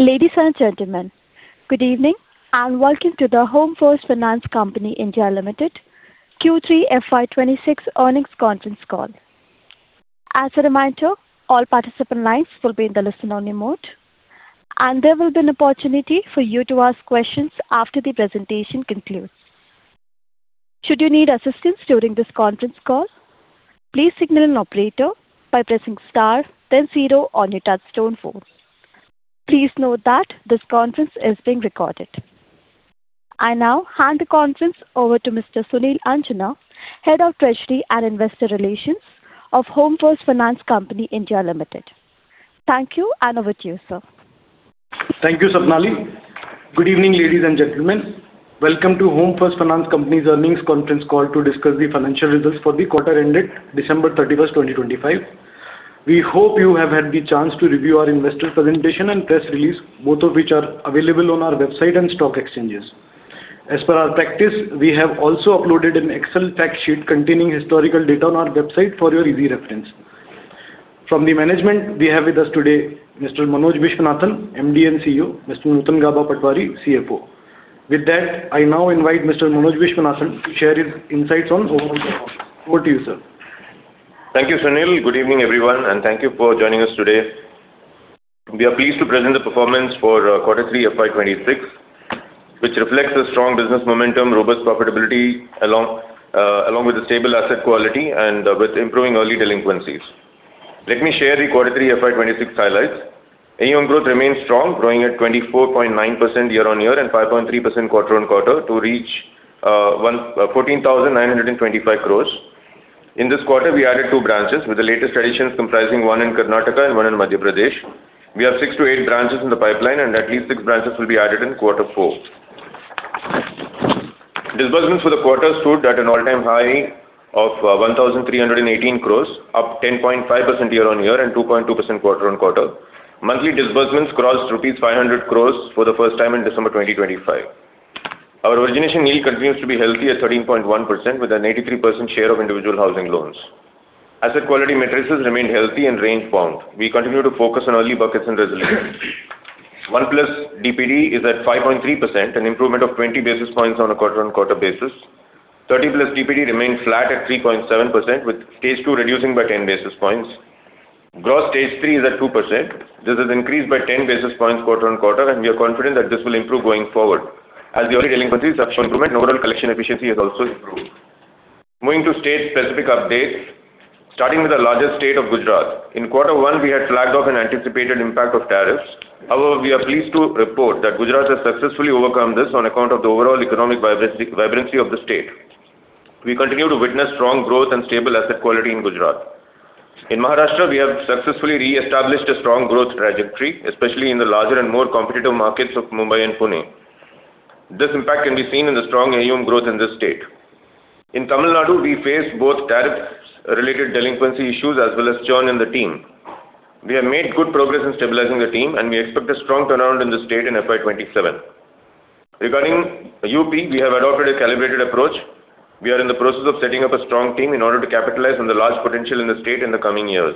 Ladies and gentlemen, good evening and welcome to the Home First Finance Company India Limited Q3 FY26 earnings conference call. As a reminder, all participant lines will be in the listen-only mode, and there will be an opportunity for you to ask questions after the presentation concludes. Should you need assistance during this conference call, please signal an operator by pressing star, then zero on your touch-tone phone. Please note that this conference is being recorded. I now hand the conference over to Mr. Sunil Anjana, Head of Treasury and Investor Relations of Home First Finance Company India Limited. Thank you, and over to you, sir. Thank you, Swapnali. Good evening, ladies and gentlemen. Welcome to Home First Finance Company's earnings conference call to discuss the financial results for the quarter ended December 31st, 2025. We hope you have had the chance to review our investor presentation and press release, both of which are available on our website and stock exchanges. As per our practice, we have also uploaded an Excel fact sheet containing historical data on our website for your easy reference. From the management, we have with us today Mr. Manoj Viswanathan, MD and CEO, Mr. Nutan Gaba Patwari, CFO. With that, I now invite Mr. Manoj Viswanathan to share his insights on overall performance. Over to you, sir. Thank you, Sunil. Good evening, everyone, and thank you for joining us today. We are pleased to present the performance for Q3 FY26, which reflects a strong business momentum, robust profitability, along with stable asset quality, and with improving early delinquencies. Let me share the Q3 FY26 highlights. AUM growth remains strong, growing at 24.9% year-on-year and 5.3% quarter-on-quarter to reach 14,925 crores. In this quarter, we added two branches, with the latest additions comprising one in Karnataka and one in Madhya Pradesh. We have six to eight branches in the pipeline, and at least six branches will be added in Q4. Disbursements for the quarter stood at an all-time high of 1,318 crores, up 10.5% year-on-year and 2.2% quarter-on-quarter. Monthly disbursements crossed 500 crores rupees for the first time in December 2025. Our origination yield continues to be healthy at 13.1%, with an 83% share of individual housing loans. Asset quality matrices remained healthy and range-bound. We continue to focus on early buckets and resilience. 1+ DPD is at 5.3%, an improvement of 20 basis points on a quarter-on-quarter basis. 30+ DPD remained flat at 3.7%, with Stage 2 reducing by 10 basis points. Gross Stage 3 is at 2%. This has increased by 10 basis points quarter-on-quarter, and we are confident that this will improve going forward. As the early delinquencies have improved, overall collection efficiency has also improved. Moving to state-specific updates, starting with the largest state of Gujarat. In Q1, we had flagged off an anticipated impact of tariffs. However, we are pleased to report that Gujarat has successfully overcome this on account of the overall economic vibrancy of the state. We continue to witness strong growth and stable asset quality in Gujarat. In Maharashtra, we have successfully re-established a strong growth trajectory, especially in the larger and more competitive markets of Mumbai and Pune. This impact can be seen in the strong AUM growth in this state. In Tamil Nadu, we faced both tariff-related delinquency issues as well as churn in the team. We have made good progress in stabilizing the team, and we expect a strong turnaround in the state in FY27. Regarding UP, we have adopted a calibrated approach. We are in the process of setting up a strong team in order to capitalize on the large potential in the state in the coming years.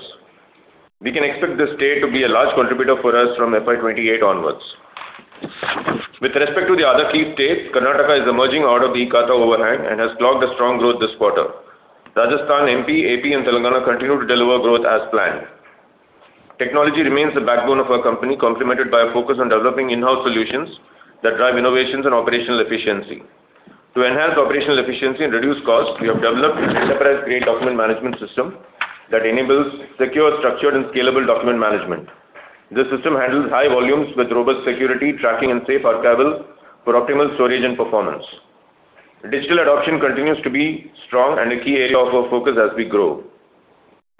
We can expect the state to be a large contributor for us from FY28 onwards. With respect to the other key states, Karnataka is emerging out of the Khata overhang and has clocked a strong growth this quarter. Rajasthan, MP, AP, and Telangana continue to deliver growth as planned. Technology remains the backbone of our company, complemented by a focus on developing in-house solutions that drive innovations and operational efficiency. To enhance operational efficiency and reduce costs, we have developed an enterprise-grade document management system that enables secure, structured, and scalable document management. This system handles high volumes with robust security, tracking, and safe archival for optimal storage and performance. Digital adoption continues to be strong and a key area of our focus as we grow.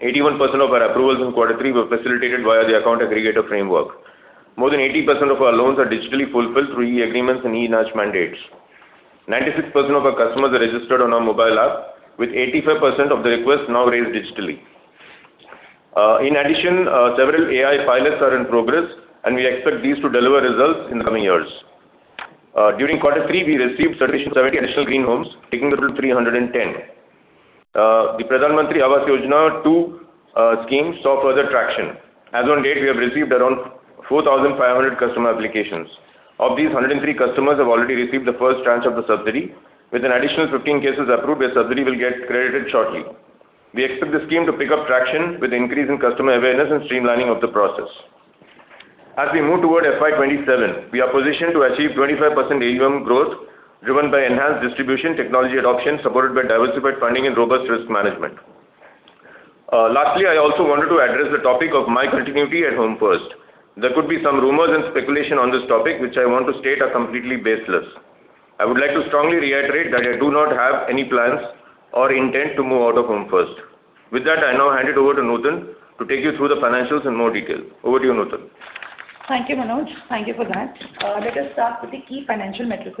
81% of our approvals in Q3 were facilitated via the account aggregator framework. More than 80% of our loans are digitally fulfilled through e-agreements and e-NACH mandates. 96% of our customers are registered on our mobile app, with 85% of the requests now raised digitally. In addition, several AI pilots are in progress, and we expect these to deliver results in the coming years. During Q3, we received 70 additional green homes, taking the total to 310. The Pradhan Mantri Awas Yojana II scheme saw further traction. As of date, we have received around 4,500 customer applications. Of these, 103 customers have already received the first tranche of the subsidy, with an additional 15 cases approved where the subsidy will get credited shortly. We expect the scheme to pick up traction with increase in customer awareness and streamlining of the process. As we move toward FY27, we are positioned to achieve 25% AUM growth driven by enhanced distribution technology adoption supported by diversified funding and robust risk management. Lastly, I also wanted to address the topic of my continuity at Home First. There could be some rumors and speculation on this topic, which I want to state are completely baseless. I would like to strongly reiterate that I do not have any plans or intent to move out of Home First. With that, I now hand it over to Nutan to take you through the financials in more detail. Over to you, Nutan. Thank you, Manoj. Thank you for that. Let us start with the key financial metrics.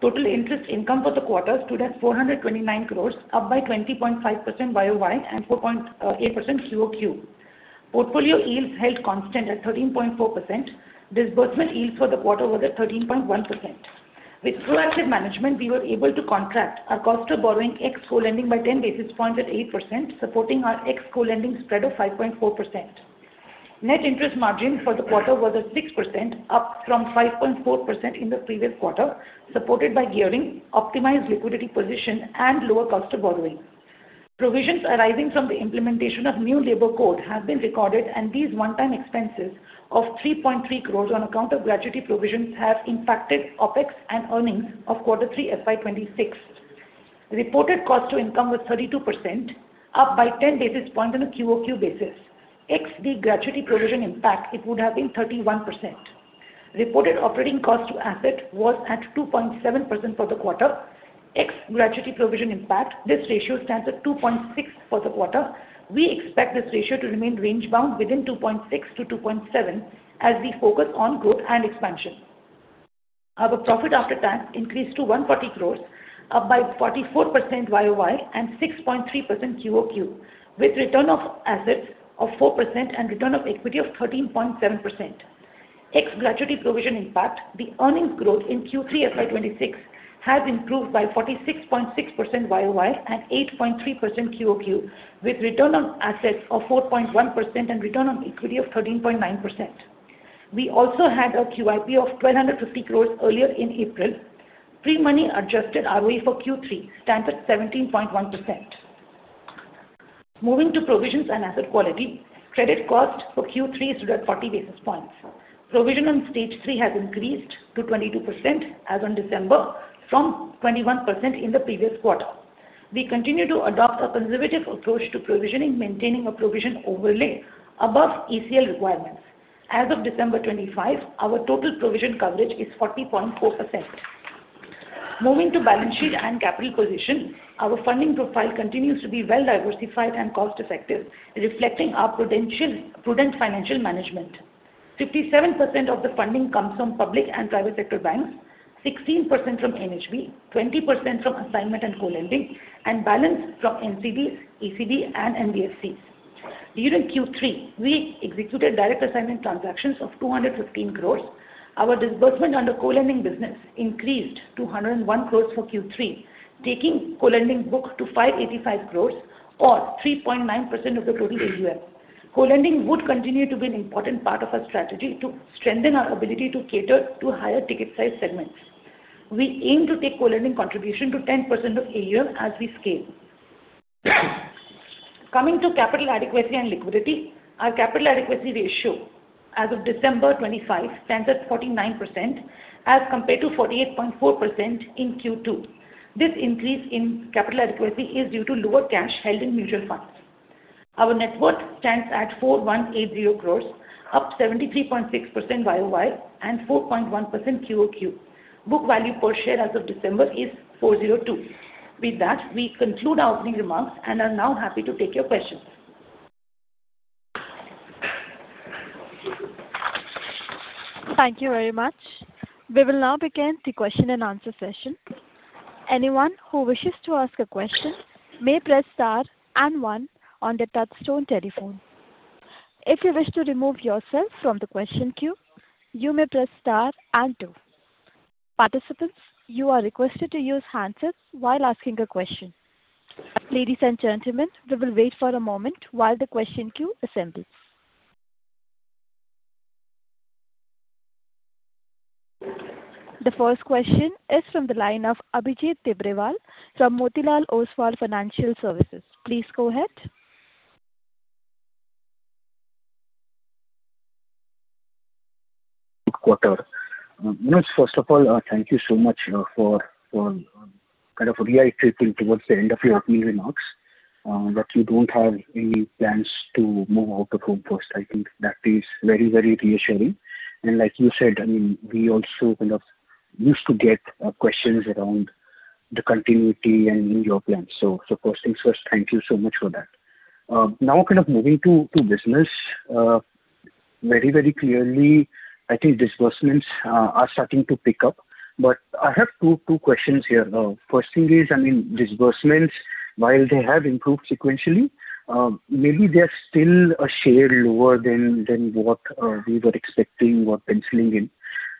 Total interest income for the quarter stood at 429 crores, up by 20.5% YOY and 4.8% QOQ. Portfolio yields held constant at 13.4%. Disbursement yields for the quarter were at 13.1%. With proactive management, we were able to contract our cost of borrowing ex-co-lending by 10 basis points at 8%, supporting our ex-co-lending spread of 5.4%. Net interest margin for the quarter was at 6%, up from 5.4% in the previous quarter, supported by gearing, optimized liquidity position, and lower cost of borrowing. Provisions arising from the implementation of new labor code have been recorded, and these one-time expenses of 3.3 crores on account of gratuity provisions have impacted OPEX and earnings of Q3 FY26. Reported cost to income was 32%, up by 10 basis points on a QOQ basis. Excluding the gratuity provision impact, it would have been 31%. Reported operating cost to asset was at 2.7% for the quarter. Excluding gratuity provision impact, this ratio stands at 2.6% for the quarter. We expect this ratio to remain range-bound within 2.6%-2.7% as we focus on growth and expansion. Our profit after tax increased to 140 crores, up by 44% YOY and 6.3% QOQ, with return of assets of 4% and return of equity of 13.7%. Excluding gratuity provision impact, the earnings growth in Q3 FY26 has improved by 46.6% YOY and 8.3% QOQ, with return on assets of 4.1% and return on equity of 13.9%. We also had a QIP of 1,250 crores earlier in April. Pre-money adjusted ROE for Q3 stands at 17.1%. Moving to provisions and asset quality, credit cost for Q3 stood at 40 basis points. Provision on stage three has increased to 22% as of December from 21% in the previous quarter. We continue to adopt a conservative approach to provisioning, maintaining a provision overlay above ECL requirements. As of December 25, our total provision coverage is 40.4%. Moving to balance sheet and capital position, our funding profile continues to be well-diversified and cost-effective, reflecting our prudent financial management. 57% of the funding comes from public and private sector banks, 16% from NHB, 20% from assignment and co-lending, and balance from NCDs, ECB, and NBFCs. During Q3, we executed direct assignment transactions of 215 crores. Our disbursement under co-lending business increased to 101 crores for Q3, taking co-lending book to 585 crores, or 3.9% of the total AUM. Co-lending would continue to be an important part of our strategy to strengthen our ability to cater to higher ticket size segments. We aim to take co-lending contribution to 10% of AUM as we scale. Coming to capital adequacy and liquidity, our capital adequacy ratio as of December 25 stands at 49% as compared to 48.4% in Q2. This increase in capital adequacy is due to lower cash held in mutual funds. Our net worth stands at 4,180 crore, up 73.6% YOY and 4.1% QOQ. Book value per share as of December is 402. With that, we conclude our opening remarks and are now happy to take your questions. Thank you very much. We will now begin the question and answer session. Anyone who wishes to ask a question may press star and one on the touch-tone telephone. If you wish to remove yourself from the question queue, you may press star and two. Participants, you are requested to use handsets while asking a question. Ladies and gentlemen, we will wait for a moment while the question queue assembles. The first question is from the line of Abhijit Tibdewal from Motilal Oswal Financial Services. Please go ahead. Quarto. First of all, thank you so much for kind of reiterating towards the end of your opening remarks that you don't have any plans to move out of Home First. I think that is very, very reassuring. Like you said, I mean, we also kind of used to get questions around the continuity and your plans. First things first, thank you so much for that. Now kind of moving to business, very, very clearly, I think disbursements are starting to pick up. I have two questions here. First thing is, I mean, disbursements, while they have improved sequentially, maybe they're still a shade lower than what we were expecting, what we were penciling in.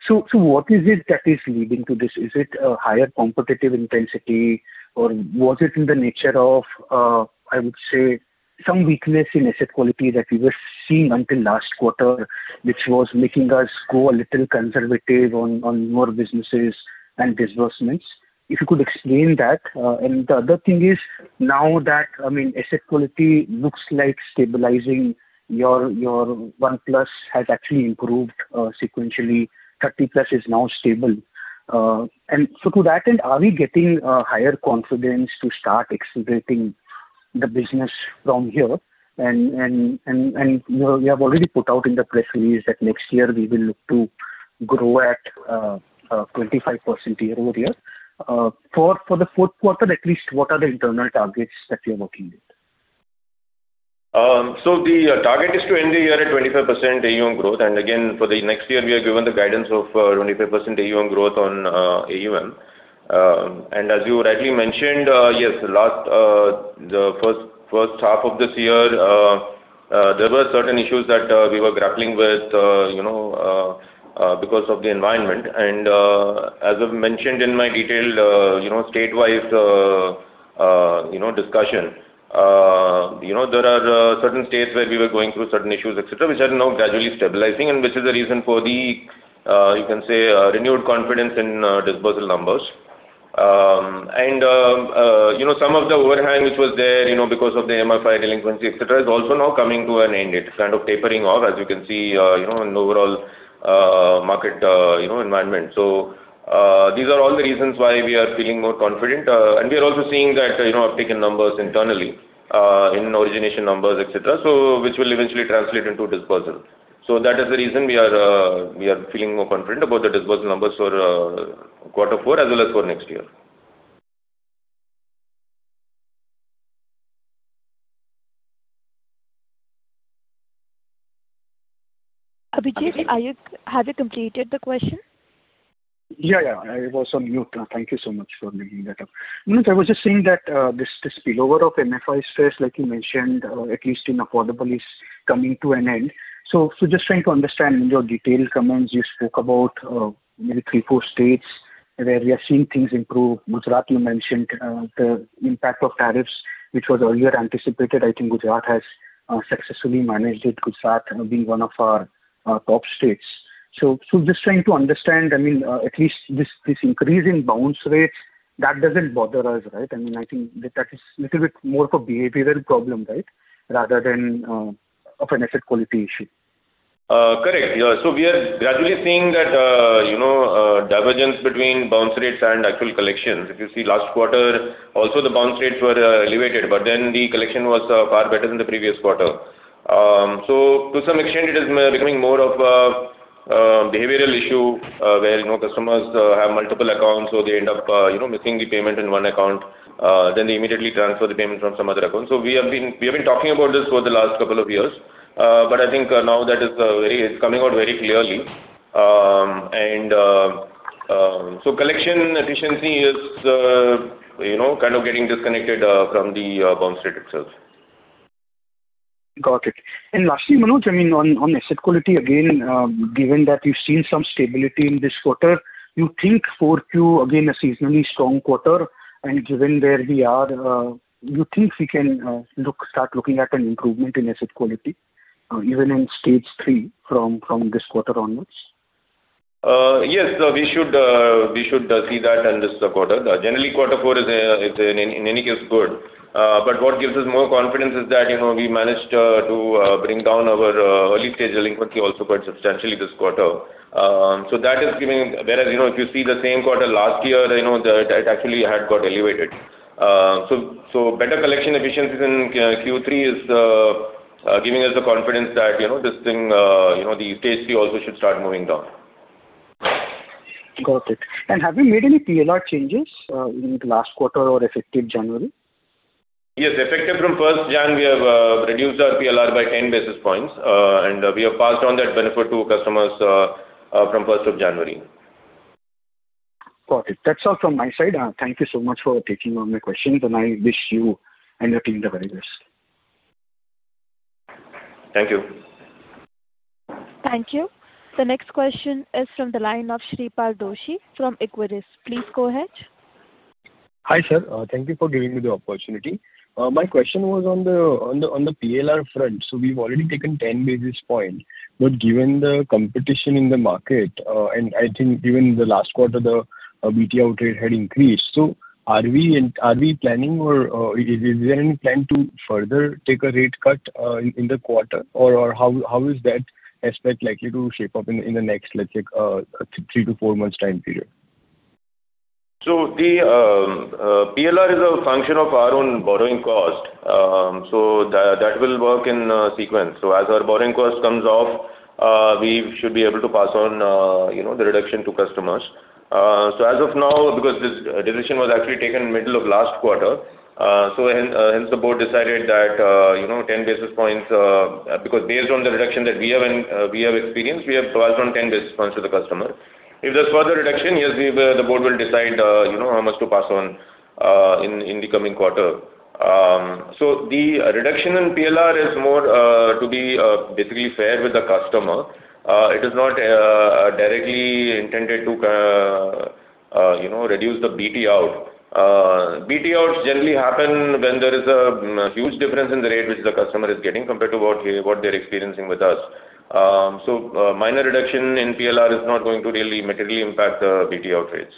So what is it that is leading to this? Is it a higher competitive intensity, or was it in the nature of, I would say, some weakness in asset quality that we were seeing until last quarter, which was making us go a little conservative on more businesses and disbursements? If you could explain that. And the other thing is, now that, I mean, asset quality looks like stabilizing, your one-plus has actually improved sequentially. 30-plus is now stable. And so to that end, are we getting a higher confidence to start accelerating the business from here? And you have already put out in the press release that next year we will look to grow at 25% year-over-year. For the fourth quarter, at least, what are the internal targets that you're working with? So the target is to end the year at 25% AUM growth. And again, for the next year, we are given the guidance of 25% AUM growth on AUM. And as you rightly mentioned, yes, the first half of this year, there were certain issues that we were grappling with because of the environment. And as I've mentioned in my detailed statewide discussion, there are certain states where we were going through certain issues, etc., which are now gradually stabilizing, and which is the reason for the, you can say, renewed confidence in disbursal numbers. And some of the overhang which was there because of the MFI delinquency, etc., is also now coming to an end. It's kind of tapering off, as you can see, in overall market environment. So these are all the reasons why we are feeling more confident. We are also seeing that uptake in numbers internally, in origination numbers, etc., which will eventually translate into disbursal. That is the reason we are feeling more confident about the disbursal numbers for Q4 as well as for next year. Abhijit, have you completed the question? Yeah, yeah. I was on mute. Thank you so much for bringing that up. I was just saying that this spillover of MFI space, like you mentioned, at least in affordability, is coming to an end. So just trying to understand in your detailed comments, you spoke about maybe 3, 4 states where we are seeing things improve. Gujarat, you mentioned the impact of tariffs, which was earlier anticipated. I think Gujarat has successfully managed it, Gujarat being one of our top states. So just trying to understand, I mean, at least this increase in bounce rates, that doesn't bother us, right? I mean, I think that is a little bit more of a behavioral problem, right, rather than of an asset quality issue. Correct. So we are gradually seeing that divergence between bounce rates and actual collections. If you see last quarter, also the bounce rates were elevated, but then the collection was far better than the previous quarter. So to some extent, it is becoming more of a behavioral issue where customers have multiple accounts, so they end up missing the payment in one account, then they immediately transfer the payment from some other account. So we have been talking about this for the last couple of years, but I think now that is coming out very clearly. And so collection efficiency is kind of getting disconnected from the bounce rate itself. Got it. Lastly, Manuj, I mean, on asset quality, again, given that you've seen some stability in this quarter, you think for Q, again, a seasonally strong quarter, and given where we are, you think we can start looking at an improvement in asset quality, even in stage three, from this quarter onwards? Yes, we should see that in this quarter. Generally, Q4 is, in any case, good. But what gives us more confidence is that we managed to bring down our early stage delinquency also quite substantially this quarter. So that is giving, whereas if you see the same quarter last year, it actually had got elevated. So better collection efficiencies in Q3 is giving us the confidence that this thing, the stage three, also should start moving down. Got it. Have you made any PLR changes in the last quarter or effective January? Yes, effective from 1st January, we have reduced our PLR by 10 basis points, and we have passed on that benefit to customers from 1st of January. Got it. That's all from my side. Thank you so much for taking all my questions, and I wish you and your team the very best. Thank you. Thank you. The next question is from the line of Shripal Doshi from IQURIS. Please go ahead. Hi sir. Thank you for giving me the opportunity. My question was on the PLR front. So we've already taken 10 basis points, but given the competition in the market, and I think even the last quarter, the BT Out rate had increased, so are we planning or is there any plan to further take a rate cut in the quarter, or how is that aspect likely to shape up in the next, let's say, three to four months' time period? So the PLR is a function of our own borrowing cost. So that will work in sequence. So as our borrowing cost comes off, we should be able to pass on the reduction to customers. So as of now, because this decision was actually taken in the middle of last quarter, so hence the board decided that 10 basis points, because based on the reduction that we have experienced, we have passed on 10 basis points to the customers. If there's further reduction, yes, the board will decide how much to pass on in the coming quarter. So the reduction in PLR is more, to be basically fair with the customer. It is not directly intended to reduce the BT out. BT outs generally happen when there is a huge difference in the rate which the customer is getting compared to what they're experiencing with us. Minor reduction in PLR is not going to really materially impact the BT out rates.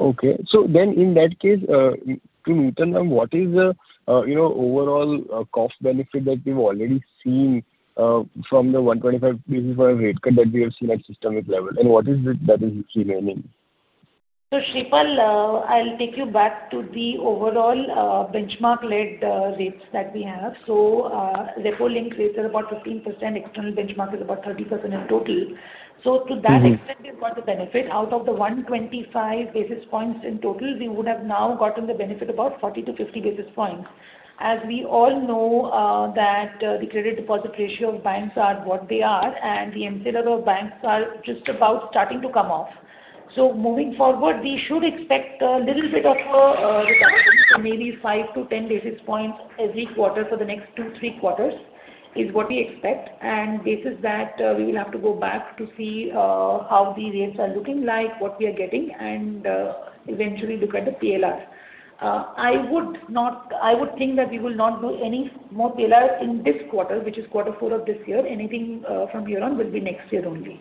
Okay. So then in that case, to Nitin ma'am, what is the overall cost benefit that we've already seen from the 125 basis points rate cut that we have seen at systemic level? And what is it that is remaining? So Shripal, I'll take you back to the overall benchmark-led rates that we have. So RepoLink rate is about 15%. External benchmark is about 30% in total. So to that extent, we've got the benefit. Out of the 125 basis points in total, we would have now gotten the benefit of about 40-50 basis points. As we all know, the credit deposit ratio of banks are what they are, and the MCLR of banks are just about starting to come off. So moving forward, we should expect a little bit of a reduction to maybe 5-10 basis points every quarter for the next two, three quarters is what we expect. And this is that we will have to go back to see how the rates are looking like, what we are getting, and eventually look at the PLR. I would think that we will not do any more PLR in this quarter, which is Q4 of this year. Anything from here on will be next year only.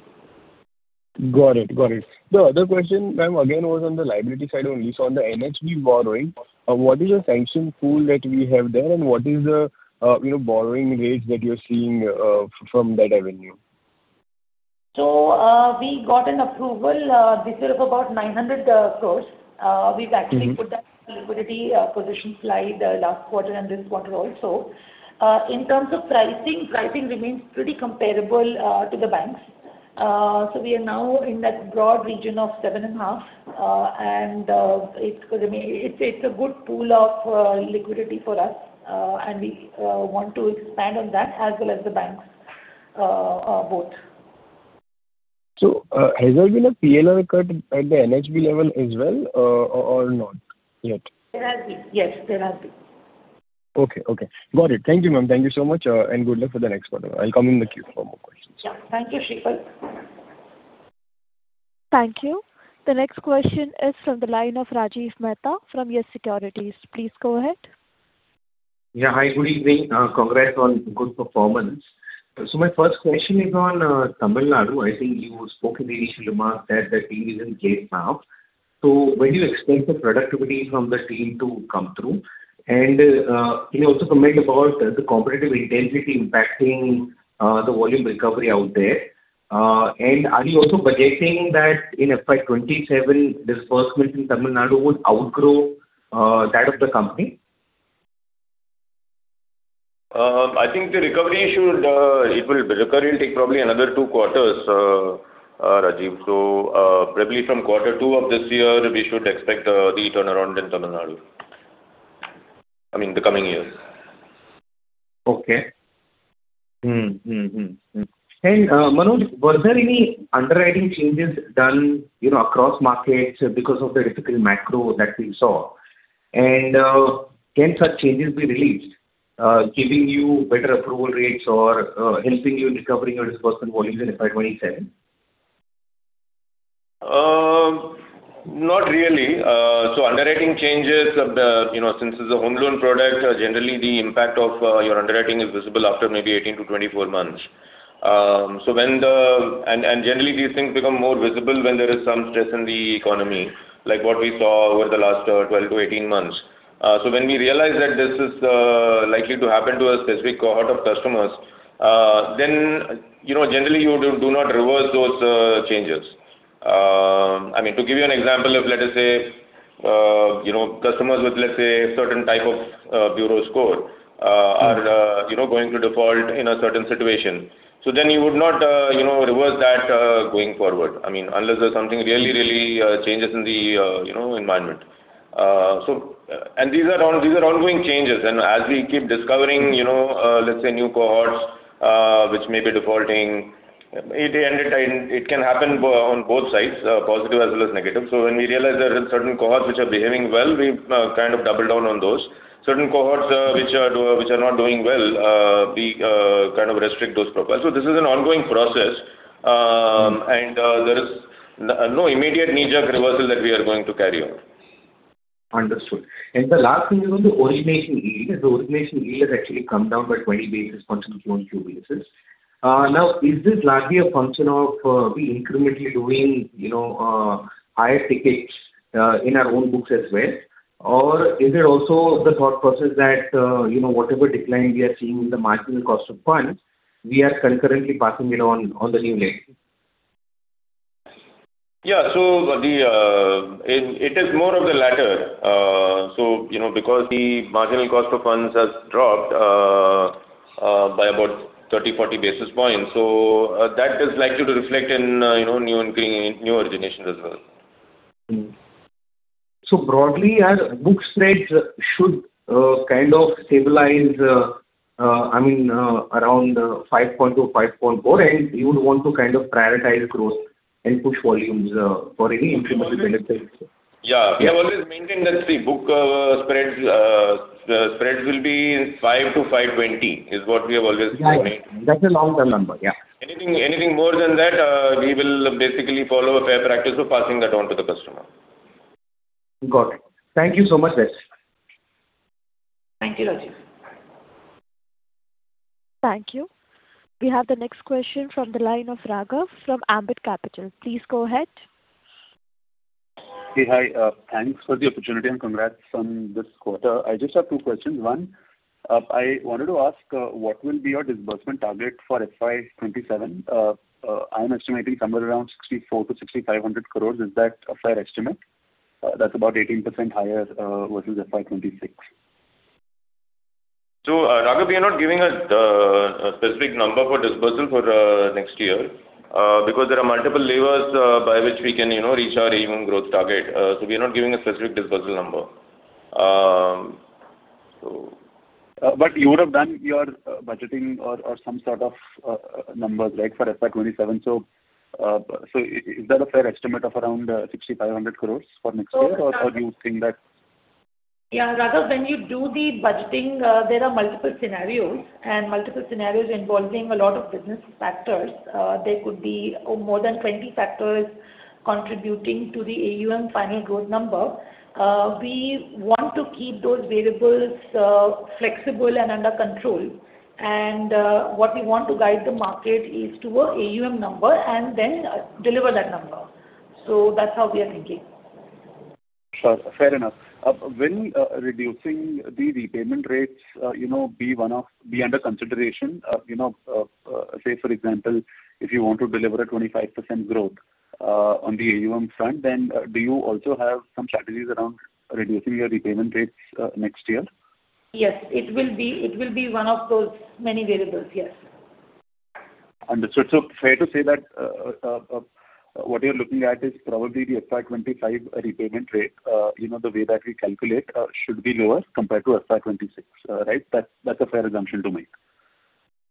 Got it. Got it. The other question, ma'am, again, was on the liability side only. So on the NHB borrowing, what is the sanction pool that we have there, and what is the borrowing rates that you're seeing from that avenue? We got an approval this year of about 900 crore. We've actually put that in the liquidity position slide last quarter and this quarter also. In terms of pricing, pricing remains pretty comparable to the banks. We are now in that broad region of 7.5, and it's a good pool of liquidity for us, and we want to expand on that as well as the banks both. Has there been a PLR cut at the NHB level as well or not yet? There has been. Yes, there has been. Okay. Okay. Got it. Thank you, ma'am. Thank you so much, and good luck for the next quarter. I'll come in the queue for more questions. Yeah. Thank you, Shripal. Thank you. The next question is from the line of Rajiv Mehta from Yes Securities. Please go ahead. Yeah. Hi. Good evening. Congrats on good performance. So my first question is on Tamil Nadu. I think you spoke in the initial remarks that the team is in place. So when do you expect the productivity from the team to come through? And can you also comment about the competitive intensity impacting the volume recovery out there? And are you also budgeting that in FY27, disbursement in Tamil Nadu would outgrow that of the company? I think the recovery should, it will recur and take probably another 2 quarters, Rajiv. So probably from Q2 of this year, we should expect the turnaround in Tamil Nadu, I mean, the coming years. Okay. And Manuj, were there any underwriting changes done across markets because of the difficult macro that we saw? And can such changes be released, giving you better approval rates or helping you in recovering your disbursement volumes in FY27? Not really. So underwriting changes, since it's a home loan product, generally the impact of your underwriting is visible after maybe 18-24 months. So when, and generally these things become more visible when there is some stress in the economy, like what we saw over the last 12-18 months. So when we realize that this is likely to happen to a specific cohort of customers, then generally you do not reverse those changes. I mean, to give you an example of, let us say, customers with, let's say, a certain type of bureau score are going to default in a certain situation. So then you would not reverse that going forward, I mean, unless there's something really, really changes in the environment. And these are ongoing changes. As we keep discovering, let's say, new cohorts which may be defaulting, it can happen on both sides, positive as well as negative. When we realize there are certain cohorts which are behaving well, we kind of double down on those. Certain cohorts which are not doing well, we kind of restrict those profiles. This is an ongoing process, and there is no immediate knee-jerk reversal that we are going to carry on. Understood. And the last thing is on the originating yield. The origination yield has actually come down by 20 basis points on Q basis. Now, is this largely a function of the incrementally doing higher tickets in our own books as well, or is it also the thought process that whatever decline we are seeing in the marginal cost of funds, we are concurrently passing it on the new lending? Yeah. So it is more of the latter. So because the marginal cost of funds has dropped by about 30-40 basis points, so that is likely to reflect in new origination as well. So broadly, our book rates should kind of stabilize, I mean, around 5.2%-5.4%, and you would want to kind of prioritize growth and push volumes for any incremental benefits? Yeah. We have always maintained that the book spreads will be 5-5.20 is what we have always maintained. Yeah. That's a long-term number. Yeah. Anything more than that, we will basically follow a fair practice of passing that on to the customer. Got it. Thank you so much, Rajiv. Thank you, Rajiv. Thank you. We have the next question from the line of Raghav from Ambit Capital. Please go ahead. Hey, hi. Thanks for the opportunity and congrats on this quarter. I just have two questions. One, I wanted to ask what will be your disbursement target for FY27? I'm estimating somewhere around 6400 crore-6500 crore. Is that a fair estimate? That's about 18% higher versus FY26. Raghav, we are not giving a specific number for disbursement for next year because there are multiple levers by which we can reach our AUM growth target. We are not giving a specific disbursement number. But you would have done your budgeting or some sort of numbers, right, for FY27? So is that a fair estimate of around 6,500 crore for next year, or do you think that? Yeah. Raghav, when you do the budgeting, there are multiple scenarios, and multiple scenarios involving a lot of business factors. There could be more than 20 factors contributing to the AUM final growth number. We want to keep those variables flexible and under control. What we want to guide the market is to a AUM number and then deliver that number. So that's how we are thinking. Fair enough. When reducing the repayment rates, be under consideration. Say for example, if you want to deliver a 25% growth on the AUM front, then do you also have some strategies around reducing your repayment rates next year? Yes. It will be one of those many variables, yes. Understood. So fair to say that what you're looking at is probably the FY25 repayment rate, the way that we calculate, should be lower compared to FY26, right? That's a fair assumption to make.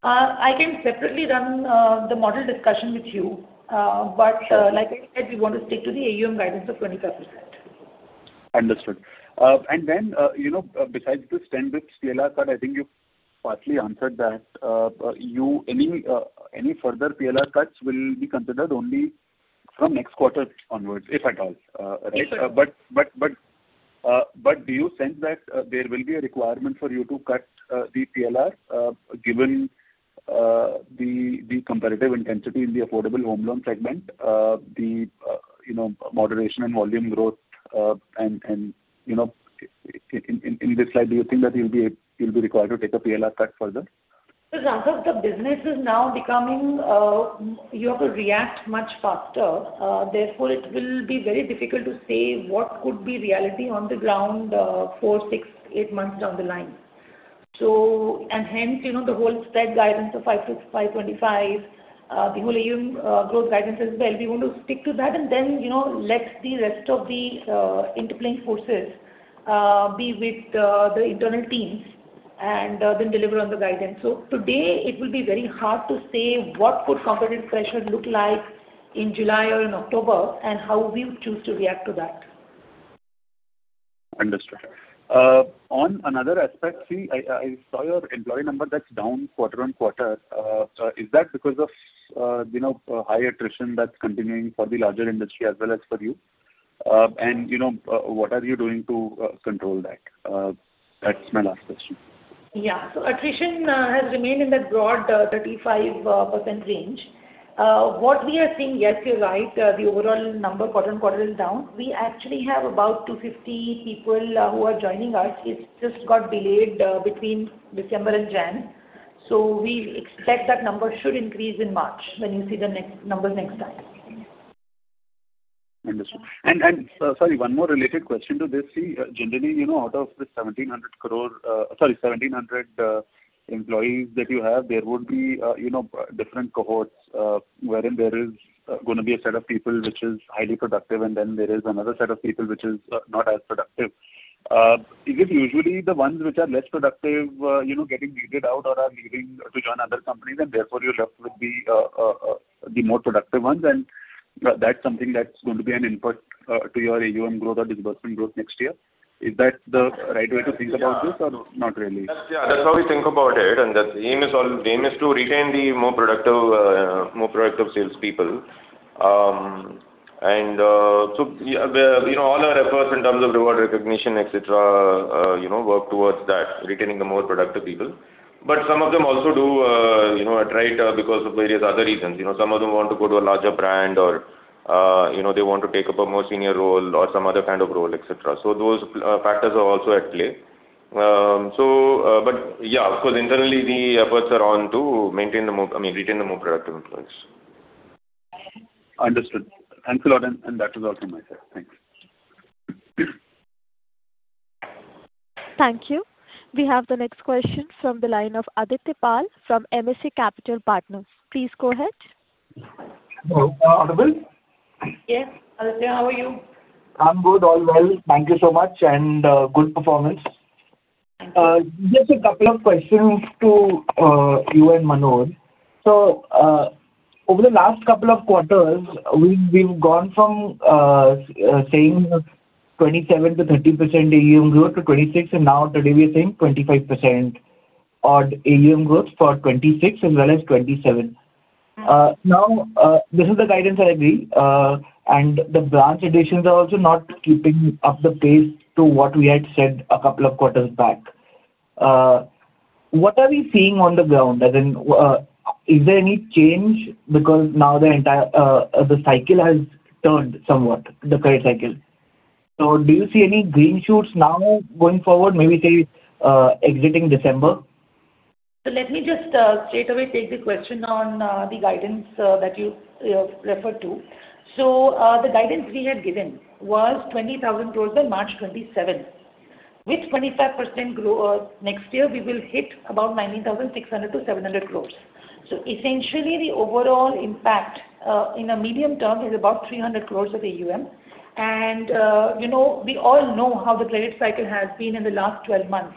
I can separately run the model discussion with you, but like I said, we want to stick to the AUM guidance of 25%. Understood. Then, besides the standard PLR cut, I think you've partly answered that. Any further PLR cuts will be considered only from next quarter onwards, if at all, right? Do you sense that there will be a requirement for you to cut the PLR given the competitive intensity in the affordable home loan segment, the moderation in volume growth? In this light, do you think that you'll be required to take a PLR cut further? Because a lot of the business is now becoming you have to react much faster. Therefore, it will be very difficult to say what could be reality on the ground 4, 6, 8 months down the line. And hence, the whole SPED guidance of 5.25, the whole AUM growth guidance as well, we want to stick to that and then let the rest of the interplaying forces be with the internal teams and then deliver on the guidance. So today, it will be very hard to say what could competitive pressure look like in July or in October and how we would choose to react to that. Understood. On another aspect, see, I saw your employee number that's down quarter-on-quarter. Is that because of high attrition that's continuing for the larger industry as well as for you? What are you doing to control that? That's my last question. Yeah. So attrition has remained in that broad 35% range. What we are seeing, yes, you're right, the overall number quarter-on-quarter is down. We actually have about 250 people who are joining us. It's just got delayed between December and January. So we expect that number should increase in March when you see the numbers next time. Understood. And sorry, one more related question to this. See, generally, out of the 1,700 crore sorry, 1,700 employees that you have, there would be different cohorts wherein there is going to be a set of people which is highly productive, and then there is another set of people which is not as productive. Is it usually the ones which are less productive getting weeded out or are leaving to join other companies, and therefore you're left with the more productive ones? And that's something that's going to be an input to your AUM growth or disbursement growth next year. Is that the right way to think about this or not really? Yeah. That's how we think about it. The aim is to retain the more productive salespeople. So all our efforts in terms of reward recognition, etc., work towards that, retaining the more productive people. But some of them also do alright because of various other reasons. Some of them want to go to a larger brand or they want to take up a more senior role or some other kind of role, etc. So those factors are also at play. But yeah, of course, internally, the efforts are on to maintain the more, I mean, retain the more productive employees. Understood. Thanks a lot, and that was all from my side. Thanks. Thank you. We have the next question from the line of Aditya Pal from Asian Markets Securities. Please go ahead. Hello. Aditya? Yes. Aditya, how are you? I'm good. All well. Thank you so much and good performance. Thank you. Just a couple of questions to you and Manuj. So over the last couple of quarters, we've gone from saying 27%-30% AUM growth to 26, and now today we are saying 25% odd AUM growth for 2026 as well as 2027. Now, this is the guidance I agree, and the branch additions are also not keeping up the pace to what we had said a couple of quarters back. What are we seeing on the ground? As in, is there any change because now the cycle has turned somewhat, the current cycle? So do you see any green shoots now going forward, maybe say exiting December? So let me just straight away take the question on the guidance that you referred to. So the guidance we had given was 20,000 crore by March 2027. With 25% growth next year, we will hit about 19,600-19,700 crore. So essentially, the overall impact in a medium term is about 300 crore of AUM. And we all know how the credit cycle has been in the last 12 months.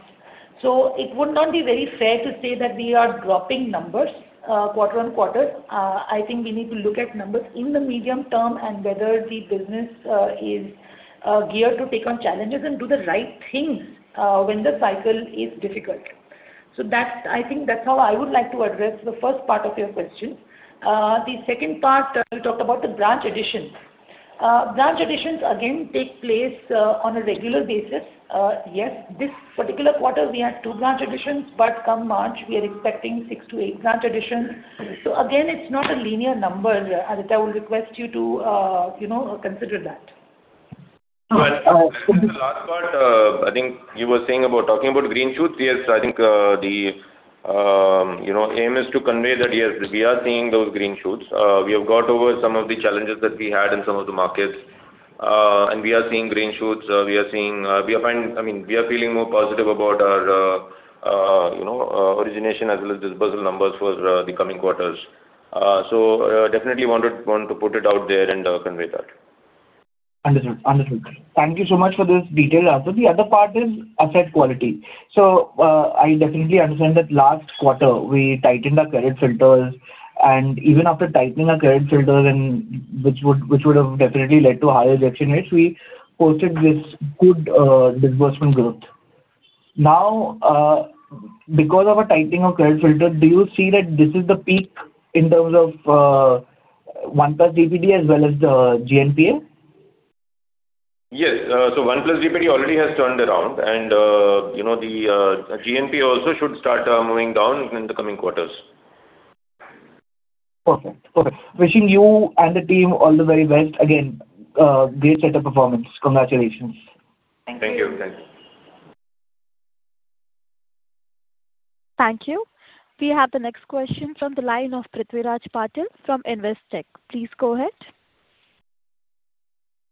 So it would not be very fair to say that we are dropping numbers quarter-on-quarter. I think we need to look at numbers in the medium term and whether the business is geared to take on challenges and do the right things when the cycle is difficult. So I think that's how I would like to address the first part of your question. The second part, you talked about the branch additions. Branch additions, again, take place on a regular basis. Yes, this particular quarter, we had 2 branch additions, but come March, we are expecting 6-8 branch additions. So again, it's not a linear number. Aditya, I will request you to consider that. The last part, I think you were talking about green shoots. Yes, I think the aim is to convey that, yes, we are seeing those green shoots. We have got over some of the challenges that we had in some of the markets, and we are seeing green shoots. We are seeing, I mean, we are feeling more positive about our origination as well as disbursal numbers for the coming quarters. Definitely want to put it out there and convey that. Understood. Understood. Thank you so much for this detail. So the other part is asset quality. So I definitely understand that last quarter, we tightened our credit filters. And even after tightening our credit filters, which would have definitely led to higher ejection rates, we posted this good disbursement growth. Now, because of our tightening of credit filters, do you see that this is the peak in terms of 1+ DPD as well as the GNPA? Yes. 1+ DPD already has turned around, and the GNPA also should start moving down in the coming quarters. Perfect. Perfect. Wishing you and the team all the very best. Again, great set of performance. Congratulations. Thank you. Thank you. Thank you. We have the next question from the line of Prithviraj Patil from Invest Tech. Please go ahead.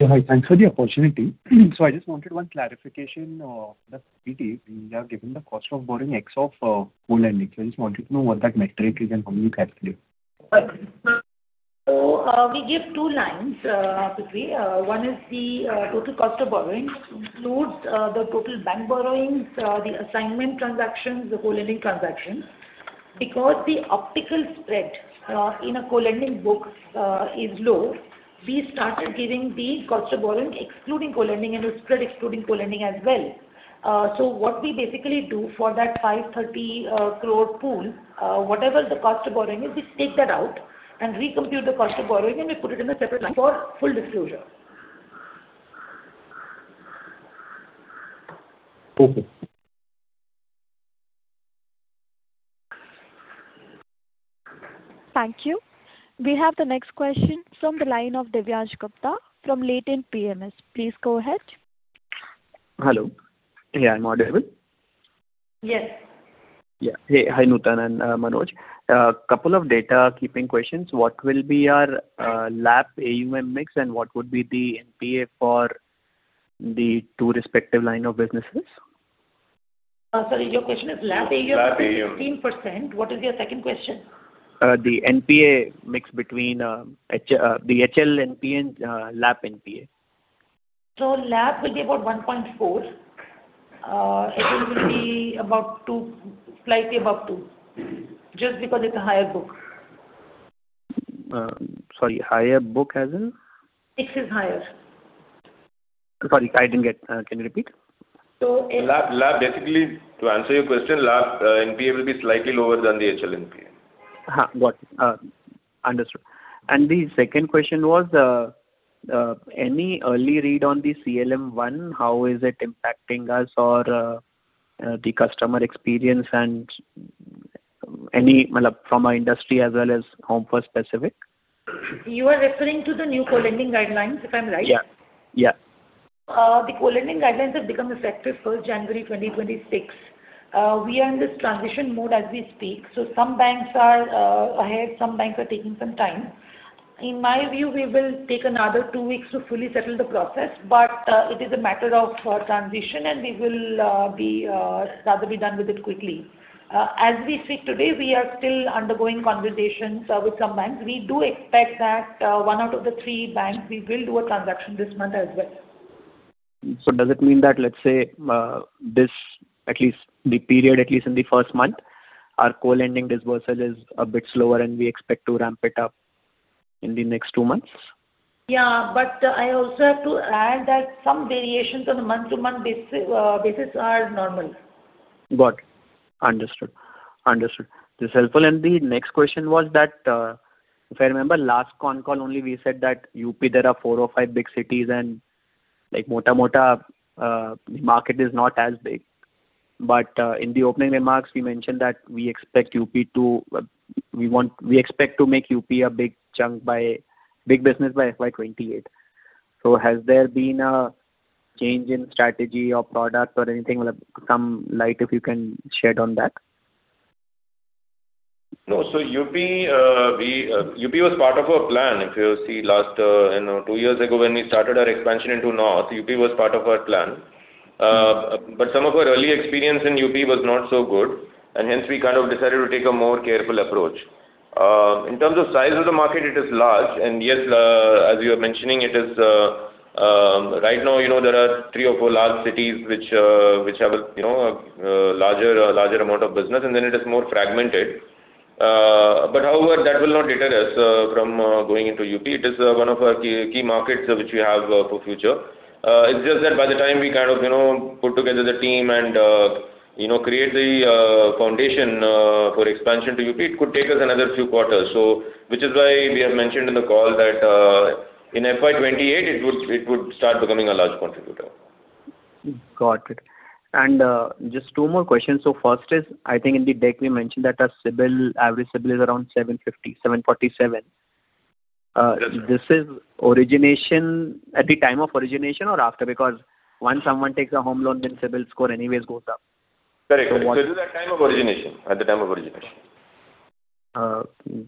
Yeah. Hi. Thanks for the opportunity. I just wanted one clarification. The DPD, we are given the cost of borrowing X of full lending. I just wanted to know what that metric is and how do you calculate? So we give two lines to three. One is the total cost of borrowing, which includes the total bank borrowings, the assignment transactions, the co-lending transactions. Because the optical spread in a co-lending book is low, we started giving the cost of borrowing excluding co-lending and the spread excluding co-lending as well. So what we basically do for that 530 crore pool, whatever the cost of borrowing is, we take that out and recompute the cost of borrowing, and we put it in a separate line for full disclosure. Thank you. We have the next question from the line of Divyansh Gupta from L&T PMS. Please go ahead. Hello. Yeah. I'm audible? Yes. Yeah. Hey, hi Nutan and Manuj. A couple of data keeping questions. What will be our LAP AUM mix and what would be the NPA for the two respective line of businesses? Sorry. Your question is LAP AUM mix 15%. What is your second question? The NPA mix between the HL NPA and LAP NPA? LAP will be about 1.4. HL will be about slightly above 2 just because it's a higher book. Sorry. Higher book as in? 6 is higher. Sorry. I didn't get it. Can you repeat? So LAP basically, to answer your question, LAP NPA will be slightly lower than the HL NPA. Got it. Understood. And the second question was any early read on the CLM 1? How is it impacting us or the customer experience and any from our industry as well as Home First specific? You are referring to the new co-lending guidelines, if I'm right? Yeah. Yeah. The co-lending guidelines have become effective 1st January 2026. We are in this transition mode as we speak. Some banks are ahead. Some banks are taking some time. In my view, we will take another two weeks to fully settle the process, but it is a matter of transition, and we will rather be done with it quickly. As we speak today, we are still undergoing conversations with some banks. We do expect that one out of the three banks, we will do a transaction this month as well. Does it mean that, let's say, at least the period, at least in the first month, our co-lending disbursal is a bit slower, and we expect to ramp it up in the next two months? Yeah. But I also have to add that some variations on a month-to-month basis are normal. Got it. Understood. Understood. This is helpful. The next question was that, if I remember, last con call only, we said that UP, there are four or five big cities, and Mota Mota, the market is not as big. But in the opening remarks, we mentioned that we expect UP to we expect to make UP a big chunk by big business by FY28. So has there been a change in strategy or product or anything? Some light, if you can shed on that? No. So UP was part of our plan. If you see, 2 years ago, when we started our expansion into North, UP was part of our plan. But some of our early experience in UP was not so good, and hence, we kind of decided to take a more careful approach. In terms of size of the market, it is large. And yes, as you are mentioning, it is right now, there are three or four large cities which have a larger amount of business, and then it is more fragmented. But however, that will not deter us from going into UP. It is one of our key markets which we have for future. It's just that by the time we kind of put together the team and create the foundation for expansion to UP, it could take us another few quarters, which is why we have mentioned in the call that in FY28, it would start becoming a large contributor. Got it. Just two more questions. First is, I think, in the deck, we mentioned that our average CIBIL is around 747. This is origination at the time of origination or after? Because once someone takes a home loan, then CIBIL score anyways goes up. Correct. So that time of origination, at the time of origination.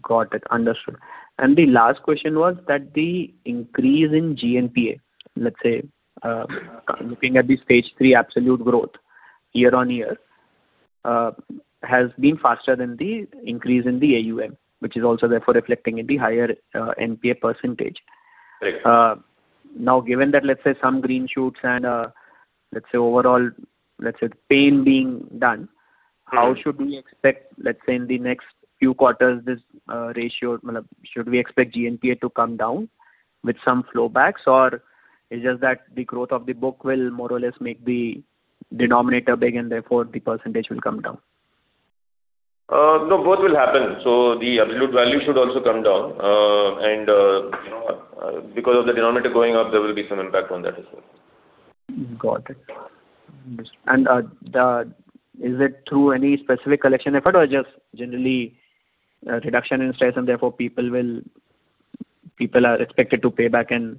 Got it. Understood. And the last question was that the increase in GNPA, let's say, looking at the stage three absolute growth year-on-year, has been faster than the increase in the AUM, which is also therefore reflecting in the higher NPA percentage. Now, given that, let's say, some green shoots and, let's say, overall, let's say, the pain being done, how should we expect, let's say, in the next few quarters, this ratio? Should we expect GNPA to come down with some flowbacks, or is it just that the growth of the book will more or less make the denominator big, and therefore, the percentage will come down? No, both will happen. The absolute value should also come down. Because of the denominator going up, there will be some impact on that as well. Got it. Understood. And is it through any specific collection effort or just generally reduction in size, and therefore people are expected to pay back and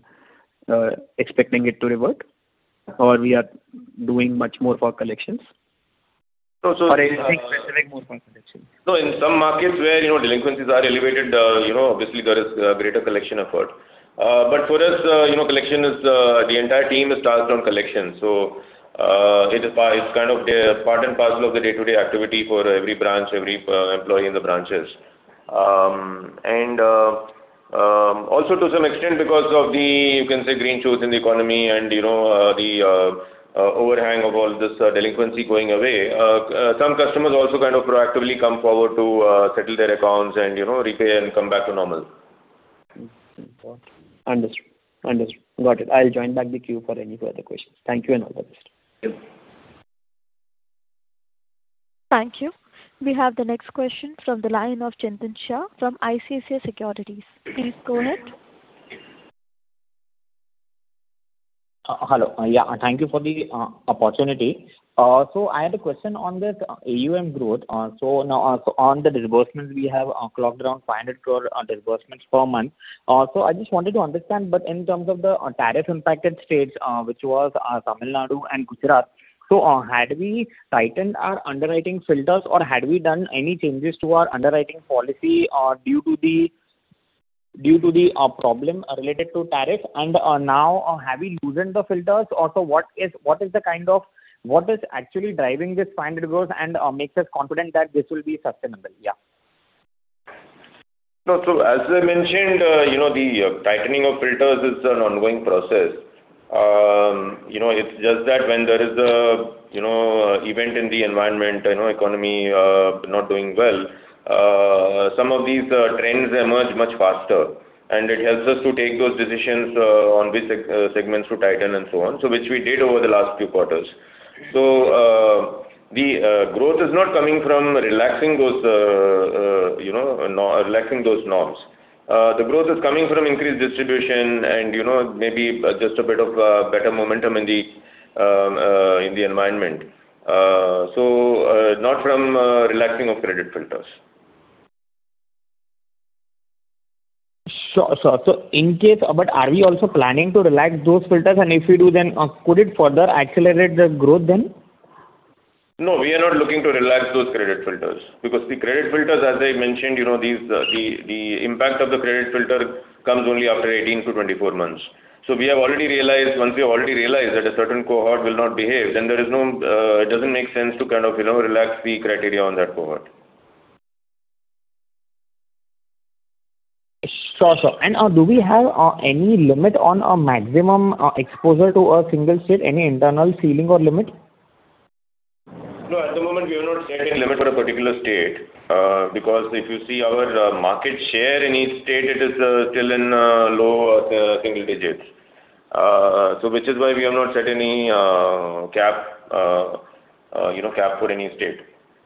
expecting it to revert? Or we are doing much more for collections? Or anything specific more for collections? No. In some markets where delinquencies are elevated, obviously, there is a greater collection effort. But for us, collection is the entire team is tasked on collection. So it's kind of part and parcel of the day-to-day activity for every branch, every employee in the branches. And also, to some extent, because of the, you can say, green shoots in the economy and the overhang of all this delinquency going away, some customers also kind of proactively come forward to settle their accounts and repay and come back to normal. Understood. Understood. Got it. I'll join back the queue for any further questions. Thank you and all the best. Thank you. Thank you. We have the next question from the line of Chintan Shah from ICICI Securities. Please go ahead. Hello. Yeah. Thank you for the opportunity. So I had a question on this AUM growth. So on the disbursements, we have clocked around 500 crore disbursements per month. So I just wanted to understand, but in terms of the tariff-impacted states, which was Tamil Nadu and Gujarat, so had we tightened our underwriting filters, or had we done any changes to our underwriting policy due to the problem related to tariffs? And now, have we loosened the filters? Also, what is the kind of what is actually driving this INR 500 crores and makes us confident that this will be sustainable? Yeah. No. So as I mentioned, the tightening of filters is an ongoing process. It's just that when there is an event in the environment, economy not doing well, some of these trends emerge much faster. And it helps us to take those decisions on which segments to tighten and so on, which we did over the last few quarters. So the growth is not coming from relaxing those norms. The growth is coming from increased distribution and maybe just a bit of better momentum in the environment. So not from relaxing of credit filters. Sure. Sure. So in case, but are we also planning to relax those filters? And if we do, then could it further accelerate the growth then? No. We are not looking to relax those credit filters because the credit filters, as I mentioned, the impact of the credit filter comes only after 18-24 months. So we have already realized that a certain cohort will not behave, then there is no, it doesn't make sense to kind of relax the criteria on that cohort. Sure. Sure. And do we have any limit on a maximum exposure to a single state, any internal ceiling or limit? No. At the moment, we have not set any limit for a particular state because if you see our market share in each state, it is still in low single digits, which is why we have not set any cap for any state.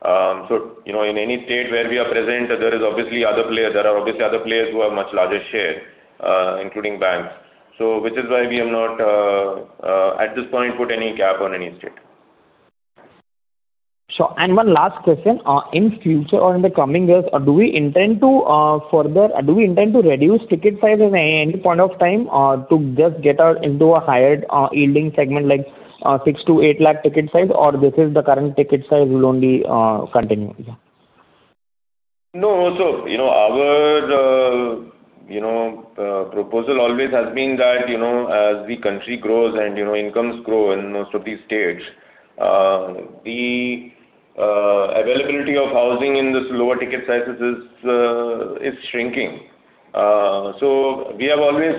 So in any state where we are present, there is obviously other player. There are obviously other players who have much larger share, including banks. So which is why we have not, at this point, put any cap on any state. Sure. One last question. In future or in the coming years, do we intend to further reduce ticket size at any point of time to just get into a higher yielding segment like 6-8 lakh ticket size, or this is the current ticket size will only continue? No. So our proposal always has been that as the country grows and incomes grow in most of these states, the availability of housing in these lower ticket sizes is shrinking. So we have always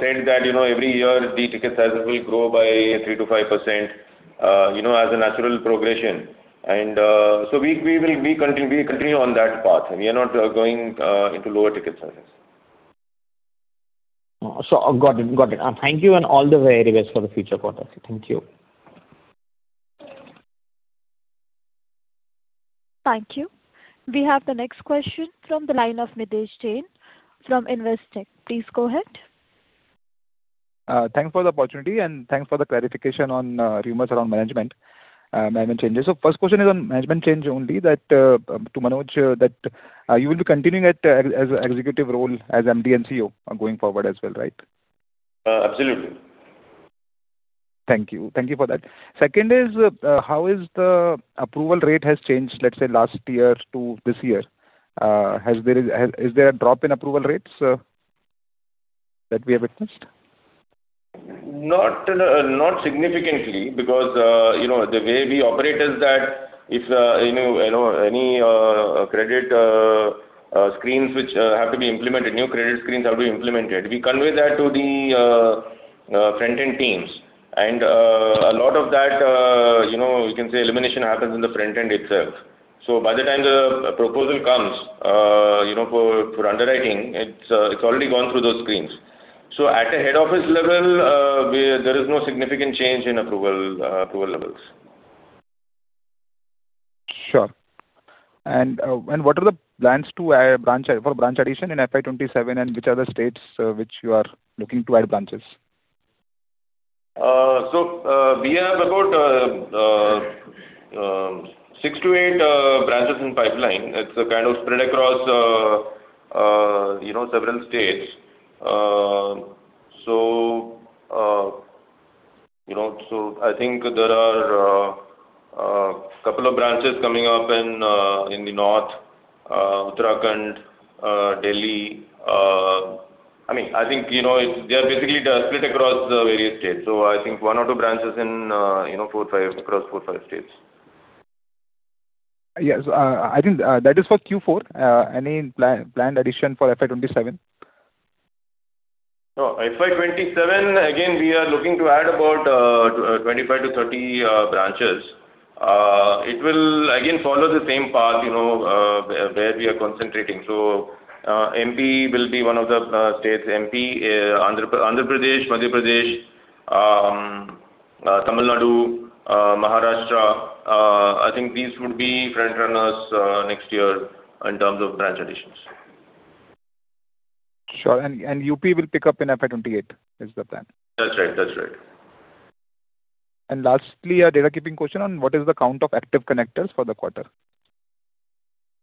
said that every year, the ticket sizes will grow by 3%-5% as a natural progression. And so we will continue on that path. We are not going into lower ticket sizes. Sure. Got it. Got it. Thank you and all the very best for the future quarter. Thank you. Thank you. We have the next question from the line of Mitesh Jain from Invest Tech. Please go ahead. Thanks for the opportunity and thanks for the clarification on rumors around management changes. First question is on management change only that to Manuj, that you will be continuing as an executive role as MD and CEO going forward as well, right? Absolutely. Thank you. Thank you for that. Second is how is the approval rate has changed, let's say, last year to this year? Is there a drop in approval rates that we have witnessed? Not significantly because the way we operate is that if any credit screens which have to be implemented, new credit screens have to be implemented, we convey that to the front-end teams. A lot of that, you can say, elimination happens in the front-end itself. By the time the proposal comes for underwriting, it's already gone through those screens. At the head office level, there is no significant change in approval levels. Sure. What are the plans to add for branch addition in FY27, and which are the states which you are looking to add branches? So we have about 6-8 branches in pipeline. It's kind of spread across several states. So I think there are a couple of branches coming up in the north, Uttarakhand, Delhi. I mean, I think they are basically split across the various states. So I think 1 or 2 branches in across 4 or 5 states. Yes. I think that is for Q4. Any planned addition for FY27? No. FY27, again, we are looking to add about 25-30 branches. It will, again, follow the same path where we are concentrating. So MP will be one of the states. MP, Andhra Pradesh, Madhya Pradesh, Tamil Nadu, Maharashtra. I think these would be front runners next year in terms of branch additions. Sure. UP will pick up in FY 2028 is the plan. That's right. That's right. Lastly, a data-keeping question on what is the count of active connectors for the quarter?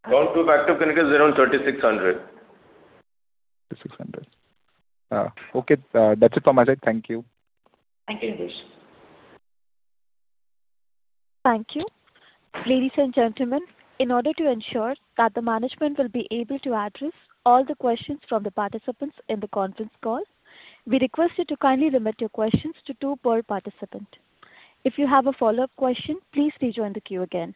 Count of active connectors is around 3,600. 3,600. Okay. That's it from my side. Thank you. Thank you, Mitesh. Thank you. Ladies and gentlemen, in order to ensure that the management will be able to address all the questions from the participants in the conference call, we request you to kindly limit your questions to two per participant. If you have a follow-up question, please rejoin the queue again.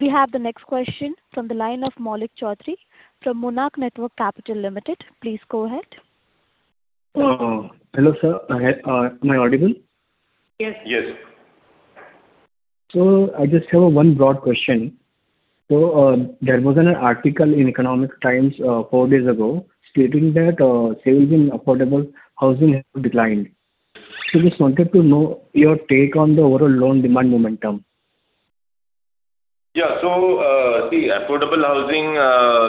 We have the next question from the line of Maulik Chaudhary from Monarch Networth Capital Limited. Please go ahead. Hello, sir. Am I audible? Yes. Yes. I just have one broad question. There was an article in Economic Times four days ago stating that sales in affordable housing have declined. Just wanted to know your take on the overall loan demand momentum. Yeah. So the affordable housing,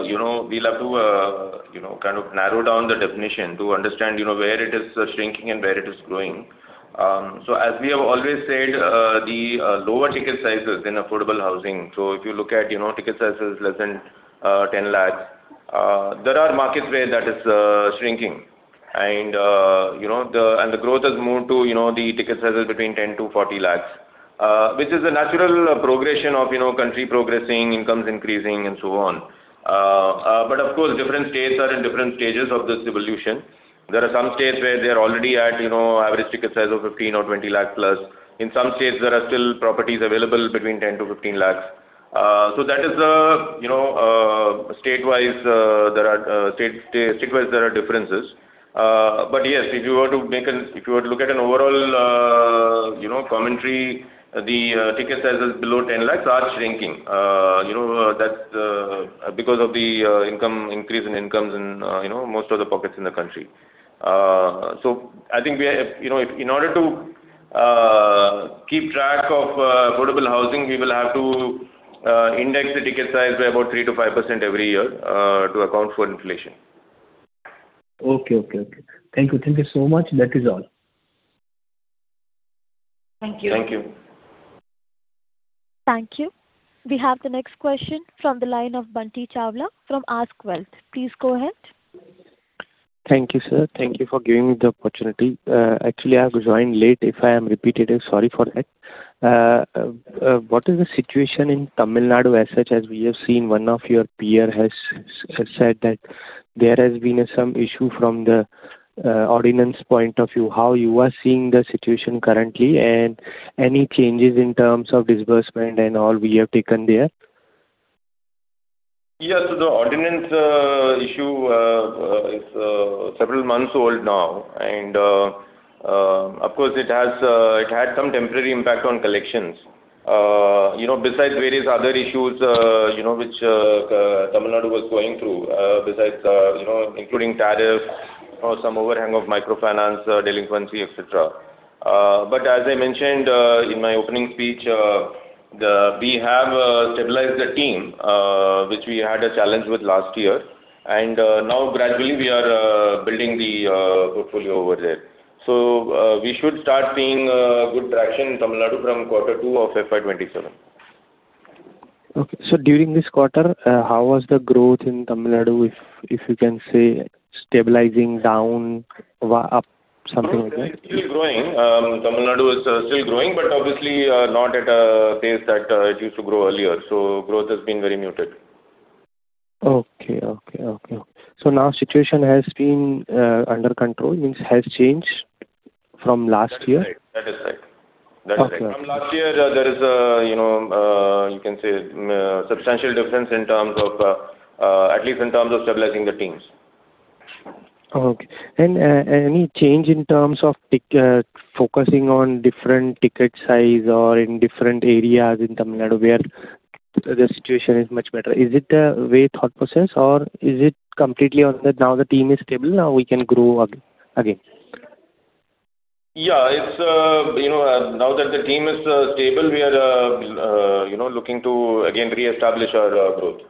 we'll have to kind of narrow down the definition to understand where it is shrinking and where it is growing. So as we have always said, the lower ticket sizes in affordable housing. So if you look at ticket sizes less than 10 lakh, there are markets where that is shrinking. And the growth has moved to the ticket sizes between 10 lakh-40 lakh, which is a natural progression of country progressing, incomes increasing, and so on. But of course, different states are in different stages of this evolution. There are some states where they are already at average ticket size of 15 lakh or 20 lakh+. In some states, there are still properties available between 10 lakh-15 lakh. So that is the statewise there are differences. But yes, if you were to look at an overall commentary, the ticket sizes below 10 lakh are shrinking. That's because of the increase in incomes in most of the pockets in the country. So I think in order to keep track of affordable housing, we will have to index the ticket size by about 3%-5% every year to account for inflation. Okay. Okay. Okay. Thank you. Thank you so much. That is all. Thank you. Thank you. Thank you. We have the next question from the line of Bunty Chawla from ASK Wealth. Please go ahead. Thank you, sir. Thank you for giving me the opportunity. Actually, I have joined late. If I am repeating, sorry for that. What is the situation in Tamil Nadu as such as we have seen? One of your peers has said that there has been some issue from the ordinance point of view. How you are seeing the situation currently and any changes in terms of disbursement and all we have taken there? Yes. So the ordinance issue is several months old now. And of course, it had some temporary impact on collections. Besides various other issues which Tamil Nadu was going through, besides including tariffs or some overhang of microfinance, delinquency, etc. But as I mentioned in my opening speech, we have stabilized the team, which we had a challenge with last year. And now, gradually, we are building the portfolio over there. So we should start seeing good traction in Tamil Nadu from quarter two of FY27. Okay. So during this quarter, how was the growth in Tamil Nadu, if you can say, stabilizing down, up, something like that? It's still growing. Tamil Nadu is still growing, but obviously not at a pace that it used to grow earlier. So growth has been very muted. Okay. So now situation has been under control, means has changed from last year? That is right. That is right. From last year, there is, you can say, substantial difference in terms of at least in terms of stabilizing the teams. Okay. Any change in terms of focusing on different ticket size or in different areas in Tamil Nadu where the situation is much better? Is it a way thought process, or is it completely on that now the team is stable, now we can grow again? Yeah. Now that the team is stable, we are looking to, again, reestablish our growth.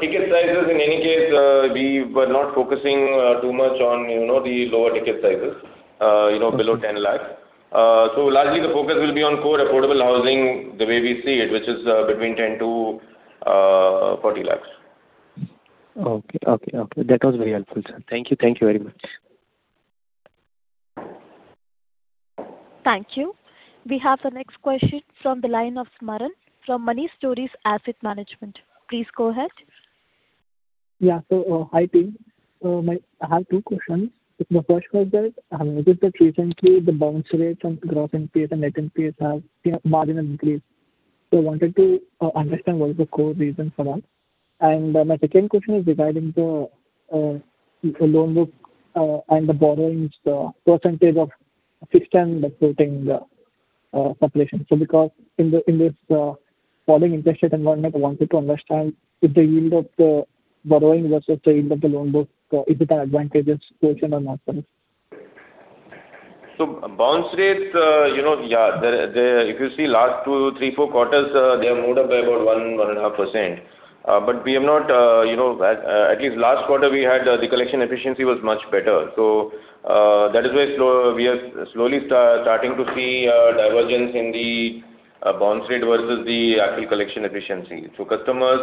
Ticket sizes, in any case, we were not focusing too much on the lower ticket sizes below 10 lakhs. So largely, the focus will be on core affordable housing the way we see it, which is between 10-40 lakhs. Okay. Okay. Okay. That was very helpful, sir. Thank you. Thank you very much. Thank you. We have the next question from the line of Maran from Money Stories Asset Management. Please go ahead. Yeah. So hi, team. I have two questions. The first question is, is it that recently the bounce rates and Gross NPAs and Net NPAs have marginally increased? So I wanted to understand what is the core reason for that. And my second question is regarding the loan book and the borrowing percentage of fixed and floating population. So because in this falling interest rate environment, I wanted to understand if the yield of the borrowing versus the yield of the loan book, is it an advantageous question or not for us? So bounce rate, yeah, if you see last 2, 3, 4 quarters, they have moved up by about 1%-1.5%. But we have not. At least last quarter, we had the collection efficiency was much better. So that is why we are slowly starting to see divergence in the bounce rate versus the actual collection efficiency. So customers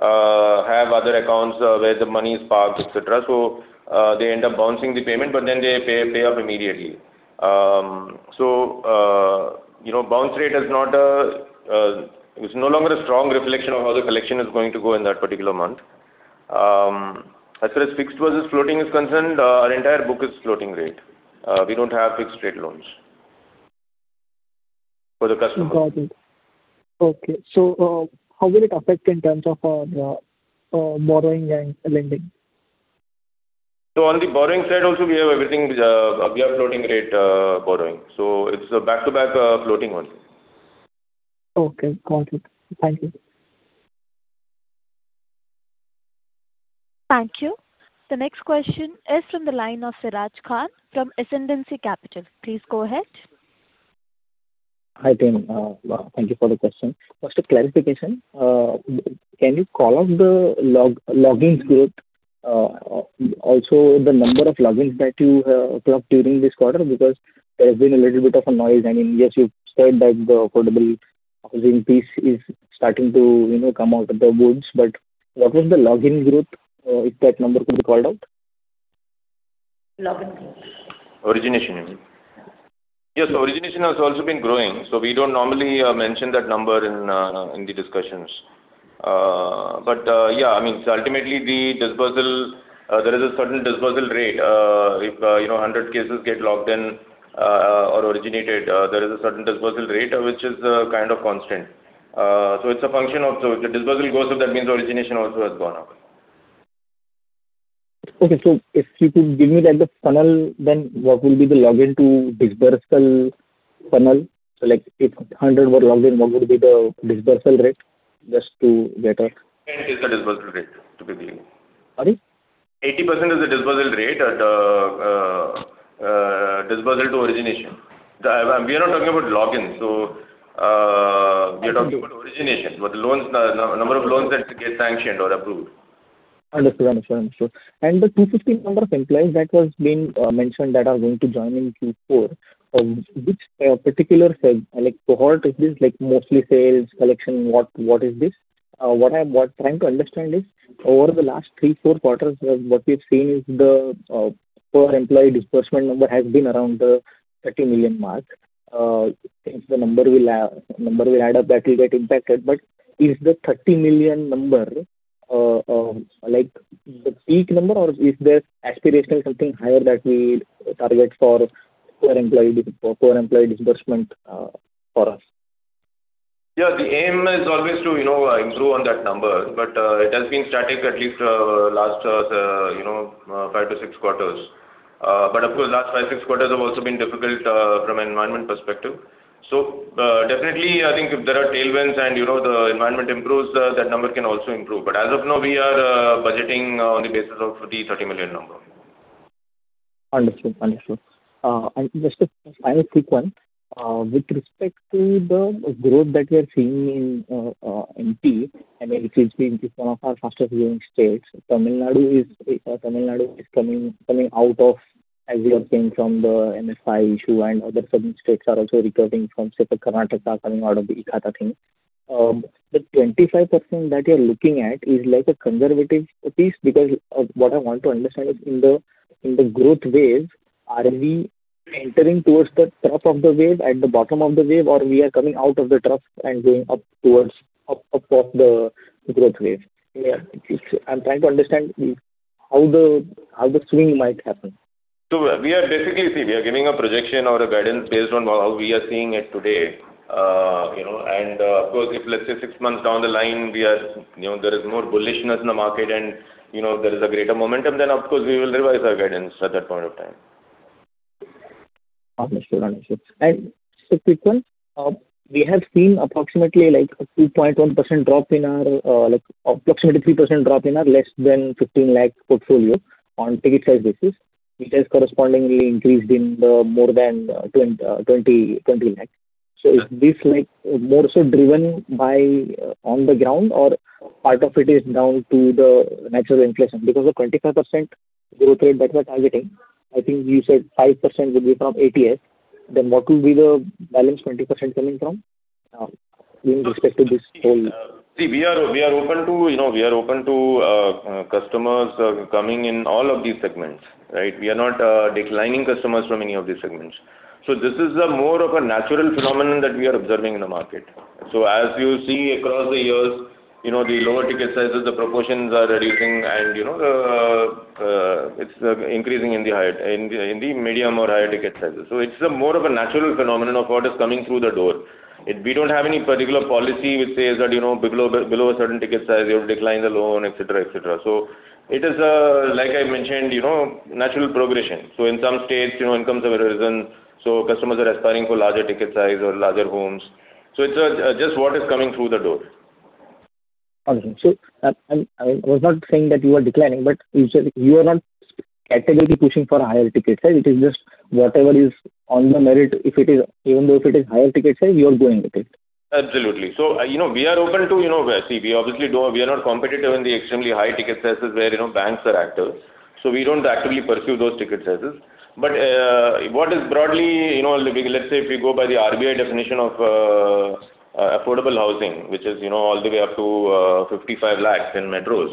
have other accounts where the money is parked, etc. So they end up bouncing the payment, but then they pay off immediately. So bounce rate is not. It's no longer a strong reflection of how the collection is going to go in that particular month. As far as fixed versus floating is concerned, our entire book is floating rate. We don't have fixed rate loans for the customers. Got it. Okay. So how will it affect in terms of borrowing and lending? On the borrowing side also, we have everything we have floating rate borrowing. It's a back-to-back floating one. Okay. Got it. Thank you. Thank you. The next question is from the line of Siraj Khan from Ascendancy Capital. Please go ahead. Hi, team. Thank you for the question. Just a clarification. Can you call out the login growth, also the number of logins that you have clocked during this quarter? Because there has been a little bit of a noise. I mean, yes, you've said that the affordable housing piece is starting to come out of the woods. But what was the login growth if that number could be called out? Login growth. Origination unit. Yes. Origination has also been growing. So we don't normally mention that number in the discussions. But yeah, I mean, so ultimately, the disbursal, there is a certain disbursal rate. If 100 cases get logged in or originated, there is a certain disbursal rate, which is kind of constant. So it's a function of the disbursal goes up, that means origination also has gone up. Okay. So if you could give me the funnel, then what will be the login to disbursal funnel? So if 100 were logged in, what would be the disbursal rate? Just to get a... 80% is the disbursal rate, to be clear. Sorry? 80% is the disbursal rate, disbursal to origination. We are not talking about logins. So we are talking about origination, but the number of loans that get sanctioned or approved. Understood. Understood. Understood. And the 250 number of employees that has been mentioned that are going to join in Q4, which particular cohort is this? Mostly sales, collection? What is this? What I'm trying to understand is over the last three, four quarters, what we've seen is the per-employee disbursement number has been around the 30 million mark. If the number will add up, that will get impacted. But is the 30 million number the peak number, or is there aspirationally something higher that we target for core employee disbursement for us? Yeah. The aim is always to improve on that number. It has been static at least last 5-6 quarters. Of course, last 5-6 quarters have also been difficult from an environment perspective. Definitely, I think if there are tailwinds and the environment improves, that number can also improve. As of now, we are budgeting on the basis of the 30 million number. Understood. Understood. And just a final quick one. With respect to the growth that we are seeing in MP, I mean, which is one of our fastest-growing states, Tamil Nadu is coming out of, as you are saying, from the MFI issue, and other certain states are also recovering from, say, for Karnataka coming out of the E-Khata thing. The 25% that you're looking at is like a conservative piece because what I want to understand is in the growth wave, are we entering towards the trough of the wave at the bottom of the wave, or we are coming out of the trough and going up towards the growth wave? I'm trying to understand how the swing might happen. We are basically seeing we are giving a projection or a guidance based on how we are seeing it today. Of course, if let's say 6 months down the line, there is more bullishness in the market and there is a greater momentum, then of course, we will revise our guidance at that point of time. Understood. Understood. And so quick one. We have seen approximately a 2.1% drop in our approximately 3% drop in our less than 15 lakh portfolio on ticket size basis. It has correspondingly increased in the more than 20 lakh. So is this more so driven by on the ground, or part of it is down to the natural inflation? Because the 25% growth rate that we are targeting, I think you said 5% would be from ATS. Then what will be the balance 20% coming from in respect to this whole? See, we are open to customers coming in all of these segments, right? We are not declining customers from any of these segments. So this is more of a natural phenomenon that we are observing in the market. So as you see across the years, the lower ticket sizes, the proportions are reducing, and it's increasing in the higher in the medium or higher ticket sizes. So it's more of a natural phenomenon of what is coming through the door. We don't have any particular policy which says that below a certain ticket size, you'll decline the loan, etc., etc. So it is, like I mentioned, natural progression. So in some states, incomes have risen, so customers are aspiring for larger ticket size or larger homes. So it's just what is coming through the door. Understood. So I was not saying that you are declining, but you are not categorically pushing for a higher ticket size. It is just whatever is on the merit. Even though if it is higher ticket size, you are going with it. Absolutely. So we are open to see. We obviously don't. We are not competitive in the extremely high ticket sizes where banks are active. So we don't actively pursue those ticket sizes. But what is broadly, let's say if you go by the RBI definition of affordable housing, which is all the way up to 55 lakhs in metros,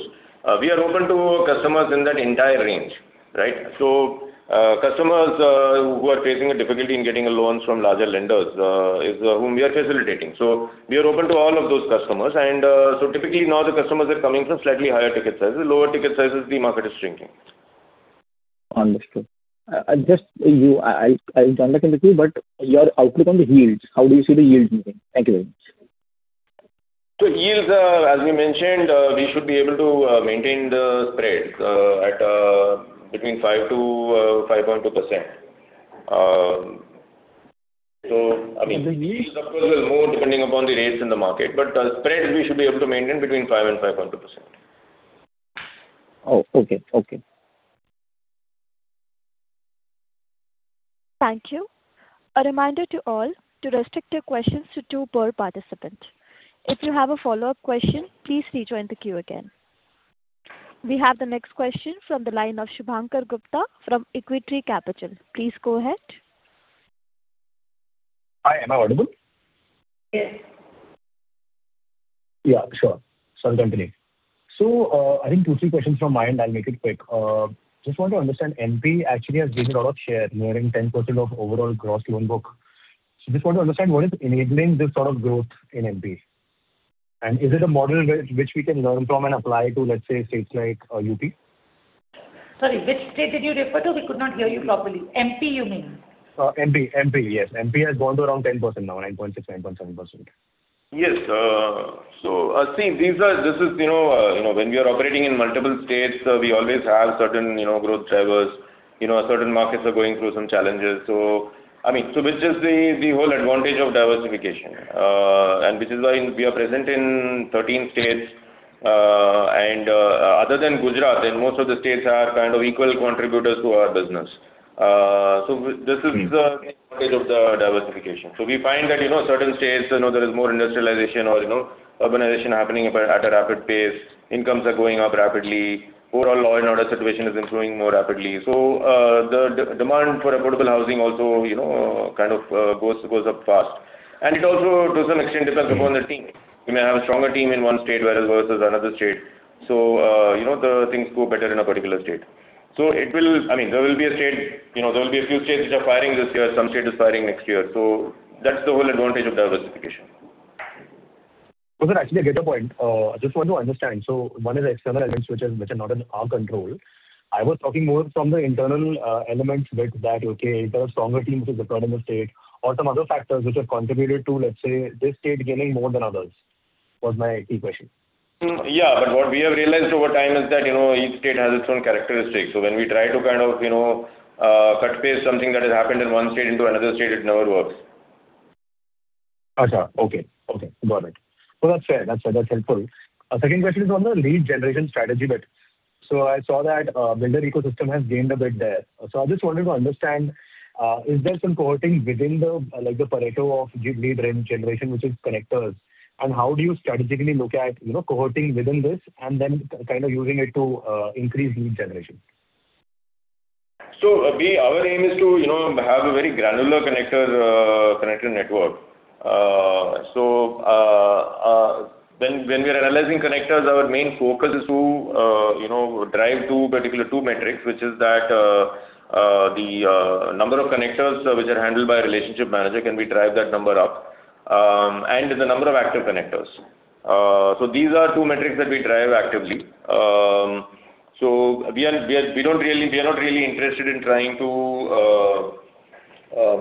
we are open to customers in that entire range, right? So customers who are facing a difficulty in getting loans from larger lenders is whom we are facilitating. So we are open to all of those customers. And so typically, now the customers are coming from slightly higher ticket sizes. The lower ticket sizes, the market is shrinking. Understood. Just I'll jump back into Q, but your outlook on the yields, how do you see the yields moving? Thank you very much. So yields, as we mentioned, we should be able to maintain the spreads between 5%-5.2%. So I mean, of course, it will move depending upon the rates in the market. But spreads, we should be able to maintain between 5% and 5.2%. Oh, okay. Okay. Thank you. A reminder to all to restrict your questions to two per participant. If you have a follow-up question, please rejoin the Q again. We have the next question from the line of Shubhankar Gupta from Equitree Capital. Please go ahead. Hi. Am I audible? Yes. Yeah. Sure. So I'll continue. So I think two or three questions from my end. I'll make it quick. Just want to understand, MP actually has gained a lot of share, nearing 10% of overall gross loan book. So just want to understand what is enabling this sort of growth in MP? And is it a model which we can learn from and apply to, let's say, states like UP? Sorry. Which state did you refer to? We could not hear you properly. MP, you mean? Yes. MP has gone to around 10% now, 9.6%-9.7%. Yes. See, this is when we are operating in multiple states, we always have certain growth drivers. Certain markets are going through some challenges. I mean, so which is the whole advantage of diversification? Which is why we are present in 13 states. Other than Gujarat, and most of the states are kind of equal contributors to our business. This is the advantage of the diversification. We find that certain states, there is more industrialization or urbanization happening at a rapid pace. Incomes are going up rapidly. Overall, law and order situation is improving more rapidly. The demand for affordable housing also kind of goes up fast. It also, to some extent, depends upon the team. You may have a stronger team in one state versus another state. The things go better in a particular state. So I mean, there will be a few states which are hiring this year. Some state is hiring next year. So that's the whole advantage of diversification. Thank you. Was there actually a greater point? I just want to understand. So one is external elements which are not in our control. I was talking more from the internal elements which, okay, there are stronger teams which are brought in the state or some other factors which have contributed to, let's say, this state gaining more than others was my key question. Yeah. But what we have realized over time is that each state has its own characteristics. So when we try to kind of cut and paste something that has happened in one state into another state, it never works. Achcha. Okay. Okay. Got it. Well, that's fair. That's fair. That's helpful. Second question is on the lead generation strategy. I saw that builder ecosystem has gained a bit there. I just wanted to understand, is there some cohorting within the Pareto of lead generation, which is connectors? And how do you strategically look at cohorting within this and then kind of using it to increase lead generation? So our aim is to have a very granular connector network. When we are analyzing connectors, our main focus is to drive to particular two metrics, which is that the number of connectors which are handled by a relationship manager, can we drive that number up? The number of active connectors. These are two metrics that we drive actively. We are not really interested in trying to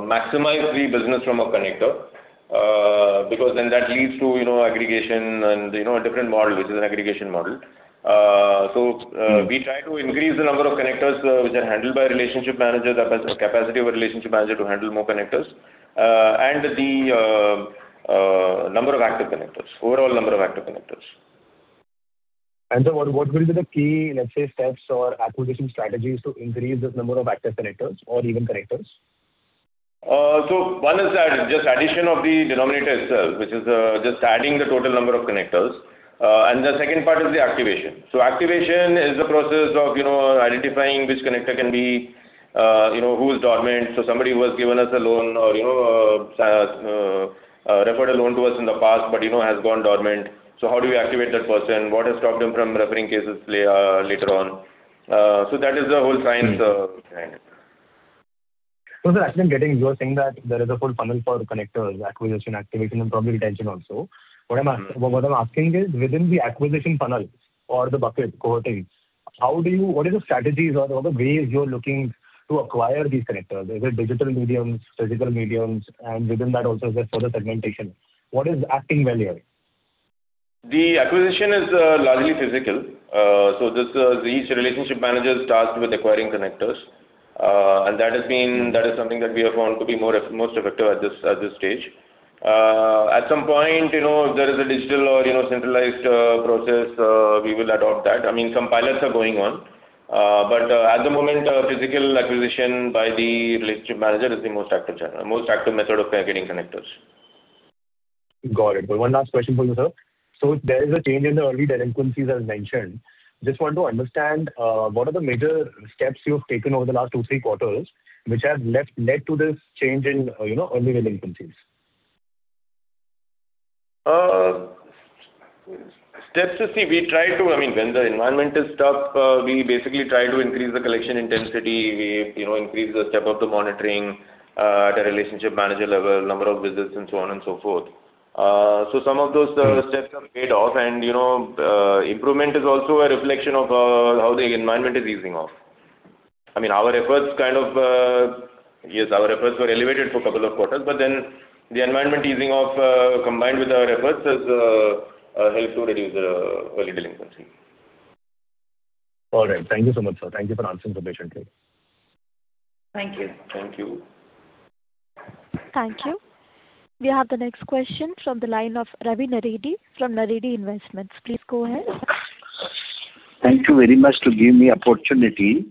maximize the business from a connector because then that leads to aggregation and a different model, which is an aggregation model. We try to increase the number of connectors which are handled by relationship managers, the capacity of a relationship manager to handle more connectors, and the number of active connectors, overall number of active connectors. What will be the key, let's say, steps or acquisition strategies to increase the number of active connectors or even connectors? So one is just addition of the denominator itself, which is just adding the total number of connectors. And the second part is the activation. So activation is the process of identifying which connector can be who is dormant. So somebody who has given us a loan or referred a loan to us in the past but has gone dormant. So how do we activate that person? What has stopped them from referring cases later on? So that is the whole science behind it. Well, so actually, I'm getting you are saying that there is a whole funnel for connectors, acquisition, activation, and probably retention also. What I'm asking is, within the acquisition funnel or the bucket, cohorting, what are the strategies or the ways you're looking to acquire these connectors? Is it digital mediums, physical mediums, and within that also, is there further segmentation? What is acting well here? The acquisition is largely physical. So each relationship manager is tasked with acquiring connectors. That is something that we have found to be most effective at this stage. At some point, if there is a digital or centralized process, we will adopt that. I mean, some pilots are going on. But at the moment, physical acquisition by the relationship manager is the most active method of getting connectors. Got it. One last question for you, sir. So there is a change in the early delinquencies, as mentioned. Just want to understand, what are the major steps you have taken over the last two, three quarters which have led to this change in early delinquencies? Steps to see. I mean, when the environment is stuck, we basically try to increase the collection intensity. We increase the step of the monitoring at a relationship manager level, number of visits, and so on and so forth. So some of those steps have paid off. And improvement is also a reflection of how the environment is easing off. I mean, our efforts kind of yes, our efforts were elevated for a couple of quarters, but then the environment easing off combined with our efforts has helped to reduce the early delinquency. All right. Thank you so much, sir. Thank you for answering so patiently. Thank you. Thank you. Thank you. We have the next question from the line of Ravi Naredi from Naredi Investments. Please go ahead. Thank you very much for giving me the opportunity.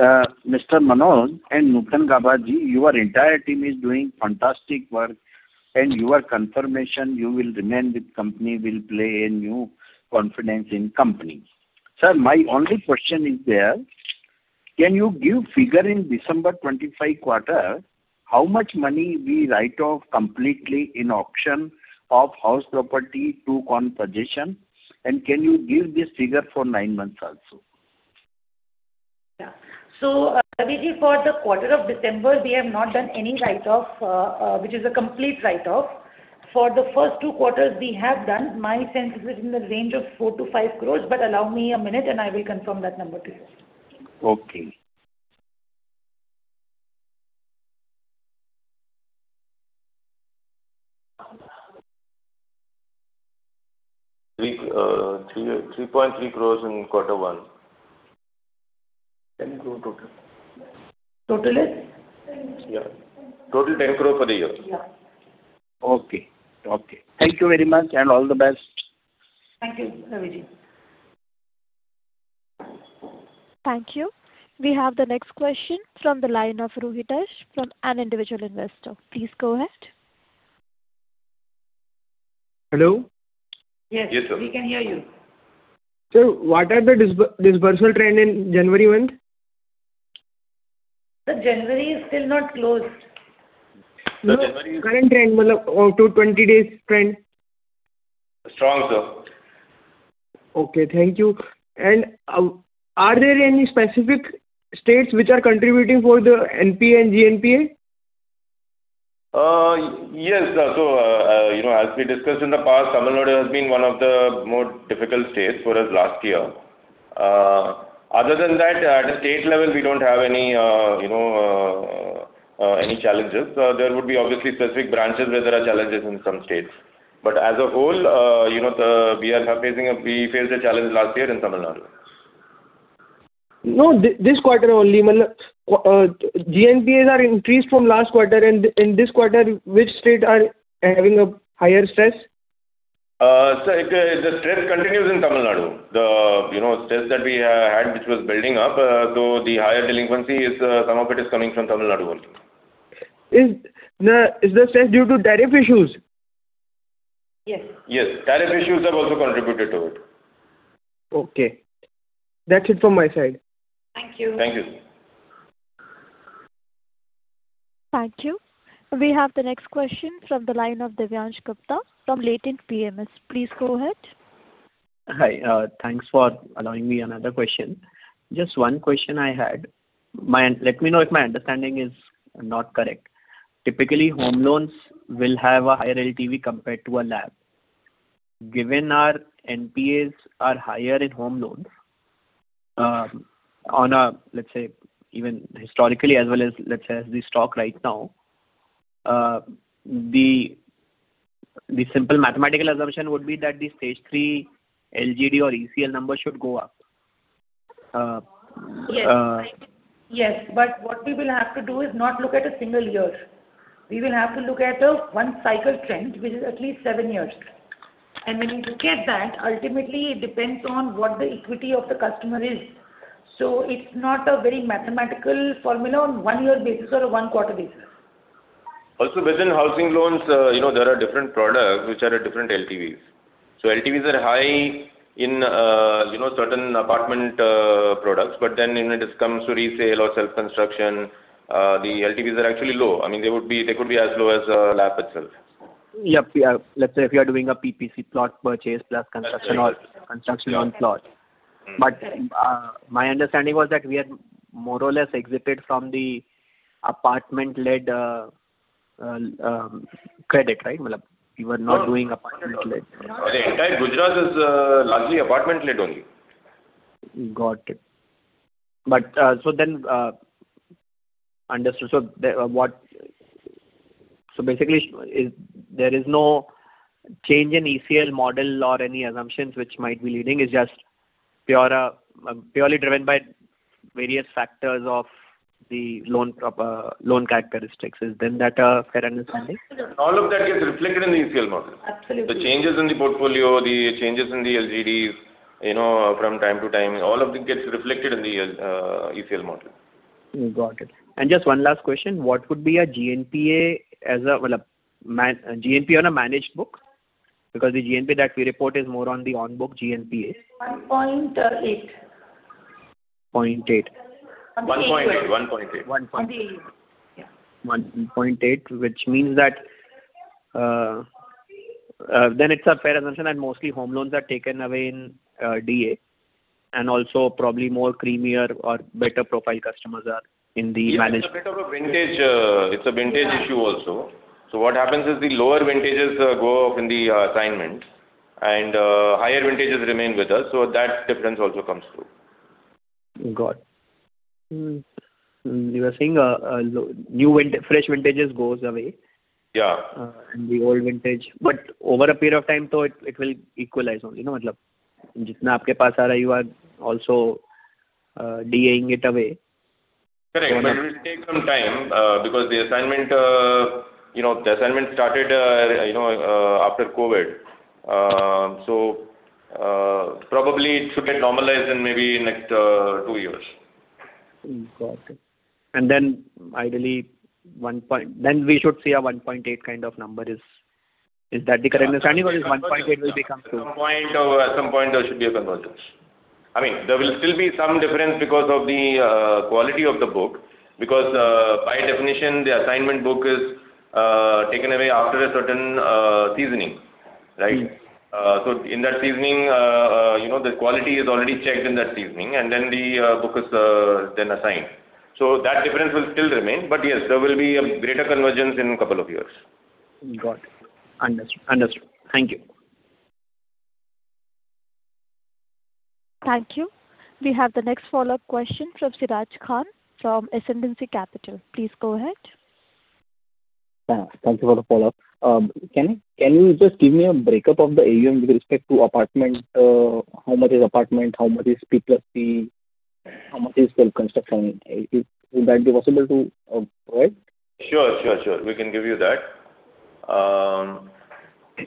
Mr. Manoj and Nutan Gaba, your entire team is doing fantastic work. And your confirmation, you will remain with the company, will play a new confidence in the company. Sir, my only question is there. Can you give a figure in December 2025 quarter, how much money we write off completely in auction of house property to conversion? And can you give this figure for nine months also? Yeah. So Ravi ji, for the quarter of December, we have not done any write-off, which is a complete write-off. For the first two quarters, we have done. My sense is it's in the range of 4 crores-5 crores, but allow me a minute, and I will confirm that number to you. Okay. 3.3 crores in quarter one. 10 crores total. Total is? Yeah. Total 10 crore per year. Yeah. Okay. Okay. Thank you very much, and all the best. Thank you, Ravi ji. Thank you. We have the next question from the line of Rohitesh from an individual investor. Please go ahead. Hello? Yes. Yes, sir. We can hear you. Sir, what are the disbursal trend in January month? Sir, January is still not closed. January is. Current trend, 220 days trend? Strong, sir. Okay. Thank you. Are there any specific states which are contributing for the NP and GNPA? Yes. So as we discussed in the past, Tamil Nadu has been one of the more difficult states for us last year. Other than that, at a state level, we don't have any challenges. There would be obviously specific branches where there are challenges in some states. But as a whole, we faced a challenge last year in Tamil Nadu. No, this quarter only. GNPAs are increased from last quarter. In this quarter, which states are having a higher stress? Sir, the stress continues in Tamil Nadu. The stress that we had, which was building up, so the higher delinquency, some of it is coming from Tamil Nadu only. Is the stress due to tariff issues? Yes. Yes. Tariff issues have also contributed to it. Okay. That's it from my side. Thank you. Thank you. Thank you. We have the next question from the line of Divyansh Gupta from Latent PMS. Please go ahead. Hi. Thanks for allowing me another question. Just one question I had. Let me know if my understanding is not correct. Typically, home loans will have a higher LTV compared to a LAP. Given our NPAs are higher in home loans, let's say, even historically, as well as, let's say, as the stock right now, the simple mathematical assumption would be that the stage 3 LGD or ECL number should go up. Yes. Yes. But what we will have to do is not look at a single year. We will have to look at a one-cycle trend, which is at least seven years. And when you look at that, ultimately, it depends on what the equity of the customer is. So it's not a very mathematical formula on a one-year basis or a one-quarter basis. Also, within housing loans, there are different products which are at different LTVs. So LTVs are high in certain apartment products, but then when it comes to resale or self-construction, the LTVs are actually low. I mean, they could be as low as 50% itself. Yep. Let's say if you are doing a PPC plot purchase plus construction on plot. But my understanding was that we had more or less exited from the apartment-led credit, right? We were not doing apartment-led. The entire Gujarat is largely apartment-led only. Got it. So then understood. So basically, there is no change in ECL model or any assumptions which might be leading. It's just purely driven by various factors of the loan characteristics. Is that a fair understanding? All of that gets reflected in the ECL model. Absolutely. The changes in the portfolio, the changes in the LGDs from time to time, all of it gets reflected in the ECL model. Got it. Just one last question. What would be a GNPA as a GNP on a managed book? Because the GNP that we report is more on the on-book GNPA. 1.8. 0.8. 1.8. 1.8. 1.8. Yeah. 1.8, which means that then it's a fair assumption that mostly home loans are taken away in DA. And also, probably more creamier or better-profile customers are in the managed. It's a bit of a vintage. It's a vintage issue also. So what happens is the lower vintages go off in the assignment, and higher vintages remain with us. So that difference also comes through. Got it. You were saying fresh vintages go away. Yeah. The old vintage. Over a period of time, though, it will equalize only. You know what? Jitna aapke paas hai, you are also doling it away. Correct. And it will take some time because the assignment started after COVID. So probably it should get normalized in maybe next two years. Got it. And then ideally, then we should see a 1.8 kind of number. Is that the correct understanding or is 1.8 will become true? At some point, there should be a convergence. I mean, there will still be some difference because of the quality of the book. Because by definition, the assignment book is taken away after a certain seasoning, right? So in that seasoning, the quality is already checked in that seasoning, and then the book is then assigned. So that difference will still remain. But yes, there will be a greater convergence in a couple of years. Got it. Understood. Thank you. Thank you. We have the next follow-up question from Siraj Khan from Ascendancy Capital. Please go ahead. Thank you for the follow-up. Can you just give me a breakdown of the AUM with respect to apartment? How much is apartment? How much is P+C? How much is self-construction? Would that be possible to provide? Sure. Sure. Sure. We can give you that.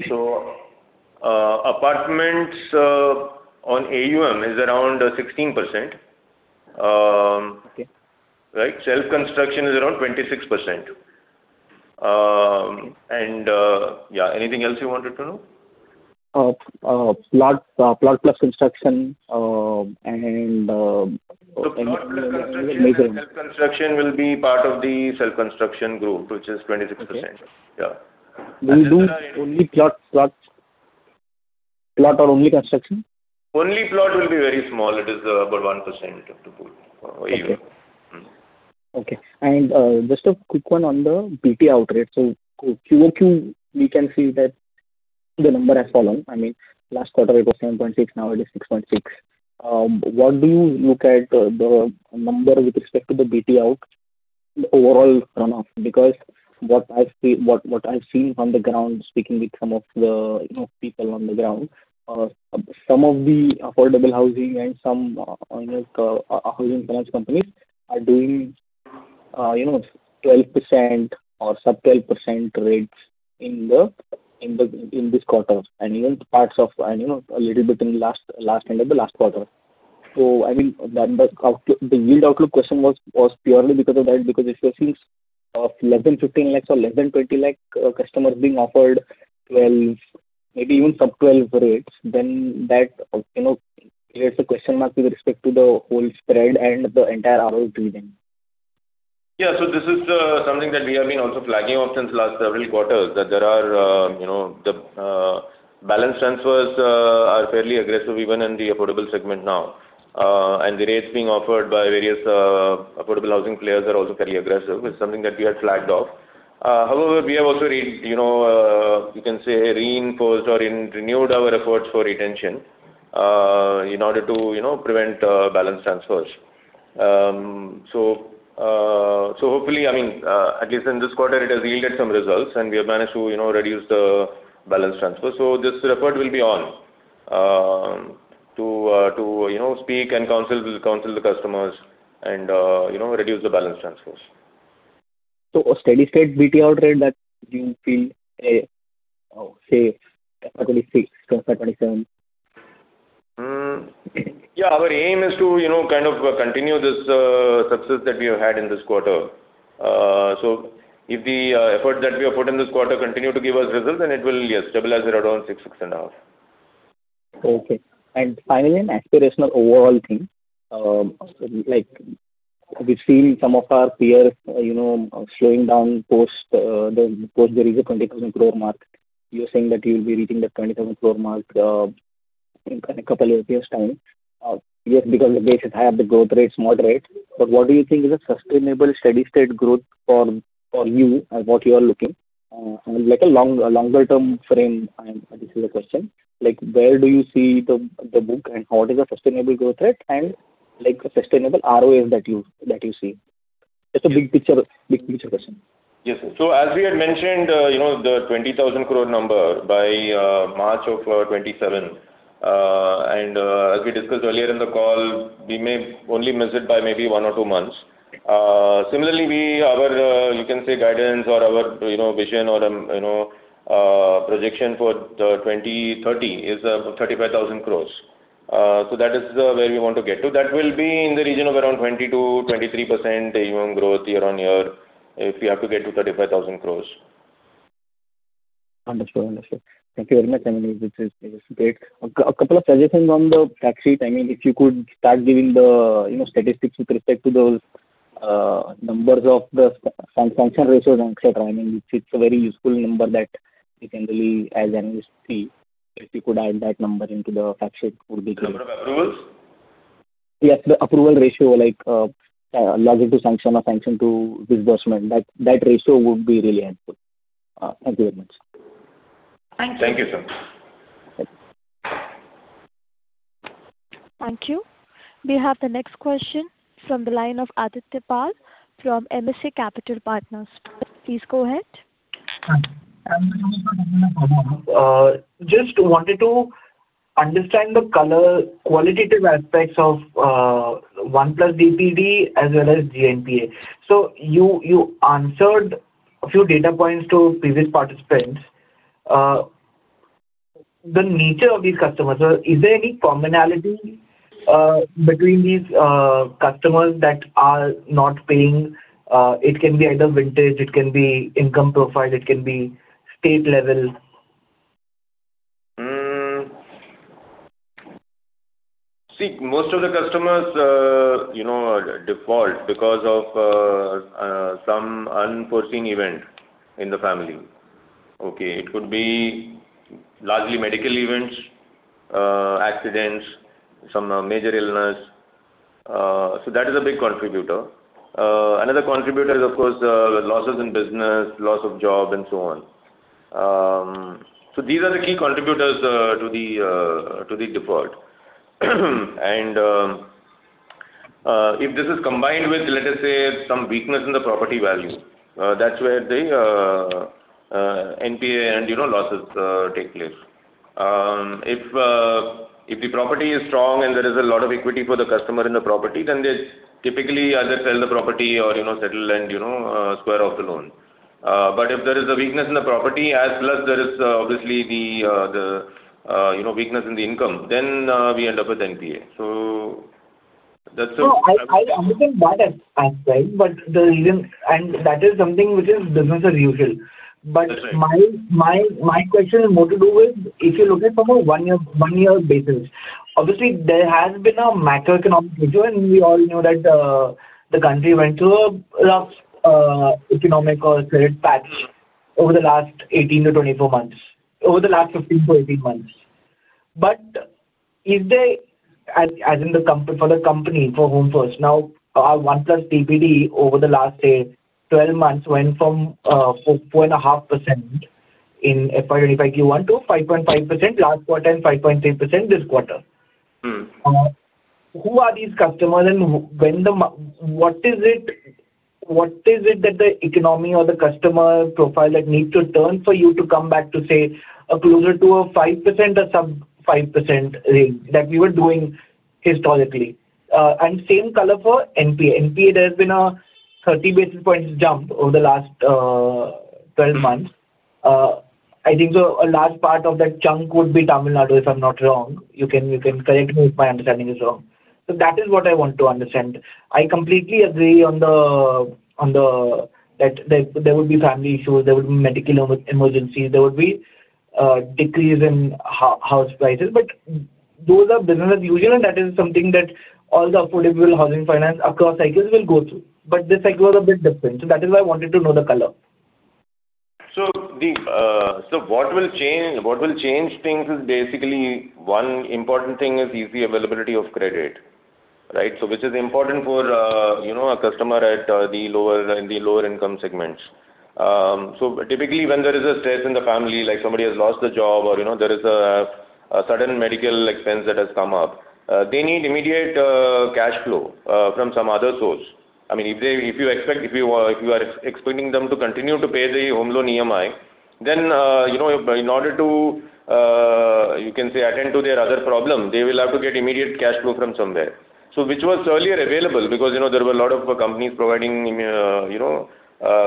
So apartments on AUM is around 16%, right? Self-construction is around 26%. And yeah, anything else you wanted to know? Plot plus construction and major loans. Plot plus construction will be part of the self-construction group, which is 26%. Yeah. Only plot or only construction? Only plot will be very small. It is about 1% to put. Okay. And just a quick one on the BT out rate. So QOQ, we can see that the number has fallen. I mean, last quarter, it was 7.6. Now it is 6.6. What do you look at the number with respect to the BT out overall runoff? Because what I've seen from the ground, speaking with some of the people on the ground, some of the affordable housing and some housing finance companies are doing 12% or sub-12% rates in this quarter and in parts of and a little bit in the last end of the last quarter. So I mean, the yield outlook question was purely because of that. Because if you're seeing less than 15 lakh or less than 20 lakh customers being offered 12, maybe even sub-12 rates, then that creates a question mark with respect to the whole spread and the entire RO region. Yeah. So this is something that we have been also flagging off since last several quarters, that there are the balance transfers are fairly aggressive even in the affordable segment now. And the rates being offered by various affordable housing players are also fairly aggressive. It's something that we had flagged off. However, we have also, you can say, reinforced or renewed our efforts for retention in order to prevent balance transfers. So hopefully, I mean, at least in this quarter, it has yielded some results, and we have managed to reduce the balance transfers. So this record will be on to speak and counsel the customers and reduce the balance transfers. Steady-state BT out rate that you feel safe for 2026, 2027? Yeah. Our aim is to kind of continue this success that we have had in this quarter. If the effort that we have put in this quarter continues to give us results, then it will, yes, stabilize around 6-6.5. Okay. Finally, an aspirational overall thing. We've seen some of our peers slowing down post the recent 20,000 crore mark. You're saying that you'll be reaching the 20,000 crore mark in a couple of years' time. Yes, because the base is higher, the growth rate is moderate. But what do you think is a sustainable steady-state growth for you and what you are looking? A longer-term frame, this is the question. Where do you see the book and what is a sustainable growth rate and a sustainable ROA that you see? Just a big picture question. Yes. So as we had mentioned, the 20,000 crore number by March 2027. And as we discussed earlier in the call, we may only miss it by maybe one or two months. Similarly, our, you can say, guidance or our vision or projection for 2030 is 35,000 crores. So that is where we want to get to. That will be in the region of around 20%-23% AUM growth year-on-year if we have to get to 35,000 crores. Understood. Understood. Thank you very much. I mean, this is great. A couple of suggestions on the facts sheet. I mean, if you could start giving the statistics with respect to those numbers of the sanction ratios and etc. I mean, it's a very useful number that we can really, as analysts, see. If you could add that number into the facts sheet, it would be great. A number of approvals? Yes. The approval ratio, like logic to sanction or sanction to disbursement, that ratio would be really helpful. Thank you very much. Thank you. Thank you, sir. Thank you. We have the next question from the line of Aditya Pal from Asian Markets Securities. Please go ahead. Just wanted to understand the qualitative aspects of 1+DPD as well as GNPA. So you answered a few data points to previous participants. The nature of these customers, is there any commonality between these customers that are not paying? It can be either vintage. It can be income profile. It can be state level. See, most of the customers default because of some unforeseen event in the family. Okay. It could be largely medical events, accidents, some major illness. So that is a big contributor. Another contributor is, of course, losses in business, loss of job, and so on. So these are the key contributors to the default. And if this is combined with, let us say, some weakness in the property value, that's where the NPA and losses take place. If the property is strong and there is a lot of equity for the customer in the property, then they typically either sell the property or settle and square off the loan. But if there is a weakness in the property, as well as there is obviously the weakness in the income, then we end up with NPA. So that's the. So I think that aspect, but that is something which is business as usual. But my question more to do with, if you look at from a one-year basis, obviously, there has been a macroeconomic issue, and we all knew that the country went through a rough economic or credit patch over the last 18-24 months, over the last 15-18 months. But is there, as in the company for Home First, now our 1+DPD over the last 12 months went from 4.5% in FY25 Q1 to 5.5% last quarter and 5.3% this quarter. Who are these customers, and what is it that the economy or the customer profile that needs to turn for you to come back to say closer to a 5% or sub-5% rate that we were doing historically? And same color for NPA. NPA, there has been a 30 basis points jump over the last 12 months. I think a large part of that chunk would be Tamil Nadu, if I'm not wrong. You can correct me if my understanding is wrong. So that is what I want to understand. I completely agree on that there would be family issues. There would be medical emergencies. There would be a decrease in house prices. But those are business as usual, and that is something that all the affordable housing finance across cycles will go through. But this cycle was a bit different. So that is why I wanted to know the color. So what will change things is basically one important thing is easy availability of credit, right? So which is important for a customer in the lower income segments. So typically, when there is a stress in the family, like somebody has lost the job or there is a sudden medical expense that has come up, they need immediate cash flow from some other source. I mean, if you are expecting them to continue to pay the home loan EMI, then in order to, you can say, attend to their other problem, they will have to get immediate cash flow from somewhere. So which was earlier available because there were a lot of companies providing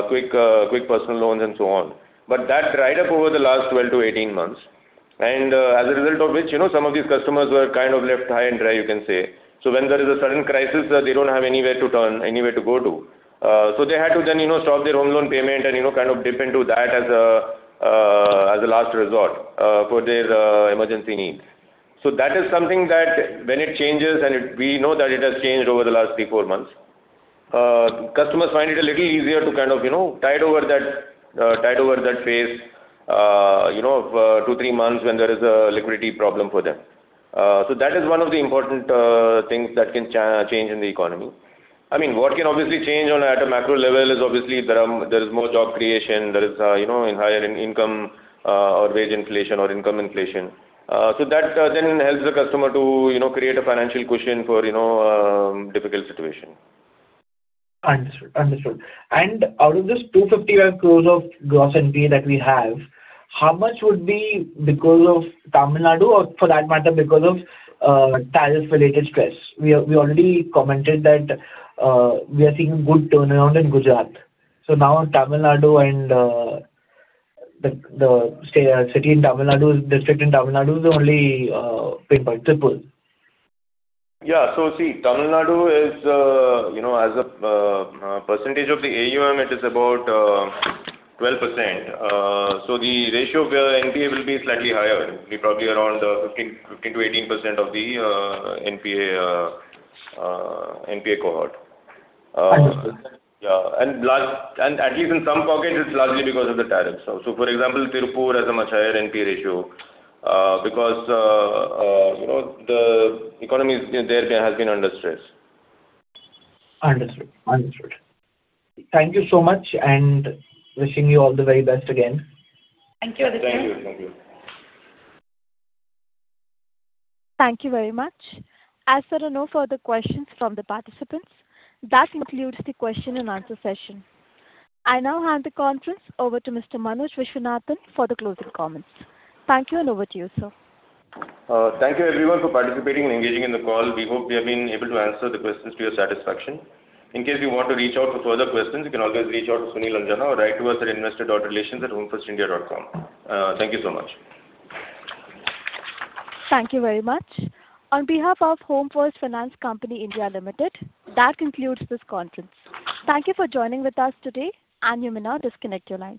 quick personal loans and so on. But that dried up over the last 12-18 months. As a result of which, some of these customers were kind of left high and dry, you can say. So when there is a sudden crisis, they don't have anywhere to turn, anywhere to go to. So they had to then stop their home loan payment and kind of dip into that as a last resort for their emergency needs. So that is something that when it changes, and we know that it has changed over the last 3-4 months, customers find it a little easier to kind of tide over that phase of 2-3 months when there is a liquidity problem for them. So that is one of the important things that can change in the economy. I mean, what can obviously change at a macro level is obviously there is more job creation. There is higher income or wage inflation or income inflation. So that then helps the customer to create a financial cushion for a difficult situation. Understood. Understood. And out of this 250 crore of gross NPA that we have, how much would be because of Tamil Nadu or for that matter, because of tariff-related stress? We already commented that we are seeing a good turnaround in Gujarat. So now Tamil Nadu and the city in Tamil Nadu, district in Tamil Nadu is the only pinpoint to pull. Yeah. So see, Tamil Nadu is as a percentage of the AUM, it is about 12%. So the ratio of NPA will be slightly higher, probably around 15%-18% of the NPA cohort. Understood. Yeah. And at least in some pockets, it's largely because of the tariffs. So for example, Tirupur has a much higher NPA ratio because the economy there has been under stress. Understood. Understood. Thank you so much and wishing you all the very best again. Thank you, Aditya. Thank you. Thank you. Thank you very much. As there are no further questions from the participants, that concludes the question and answer session. I now hand the conference over to Mr. Manoj Viswanathan for the closing comments. Thank you and over to you, sir. Thank you, everyone, for participating and engaging in the call. We hope we have been able to answer the questions to your satisfaction. In case you want to reach out for further questions, you can always reach out to Sunil Anjana or write to us at investor.relations@homefirstindia.com. Thank you so much. Thank you very much. On behalf of Home First Finance Company India Limited, that concludes this conference. Thank you for joining with us today. I'm Yumina. Disconnect your line.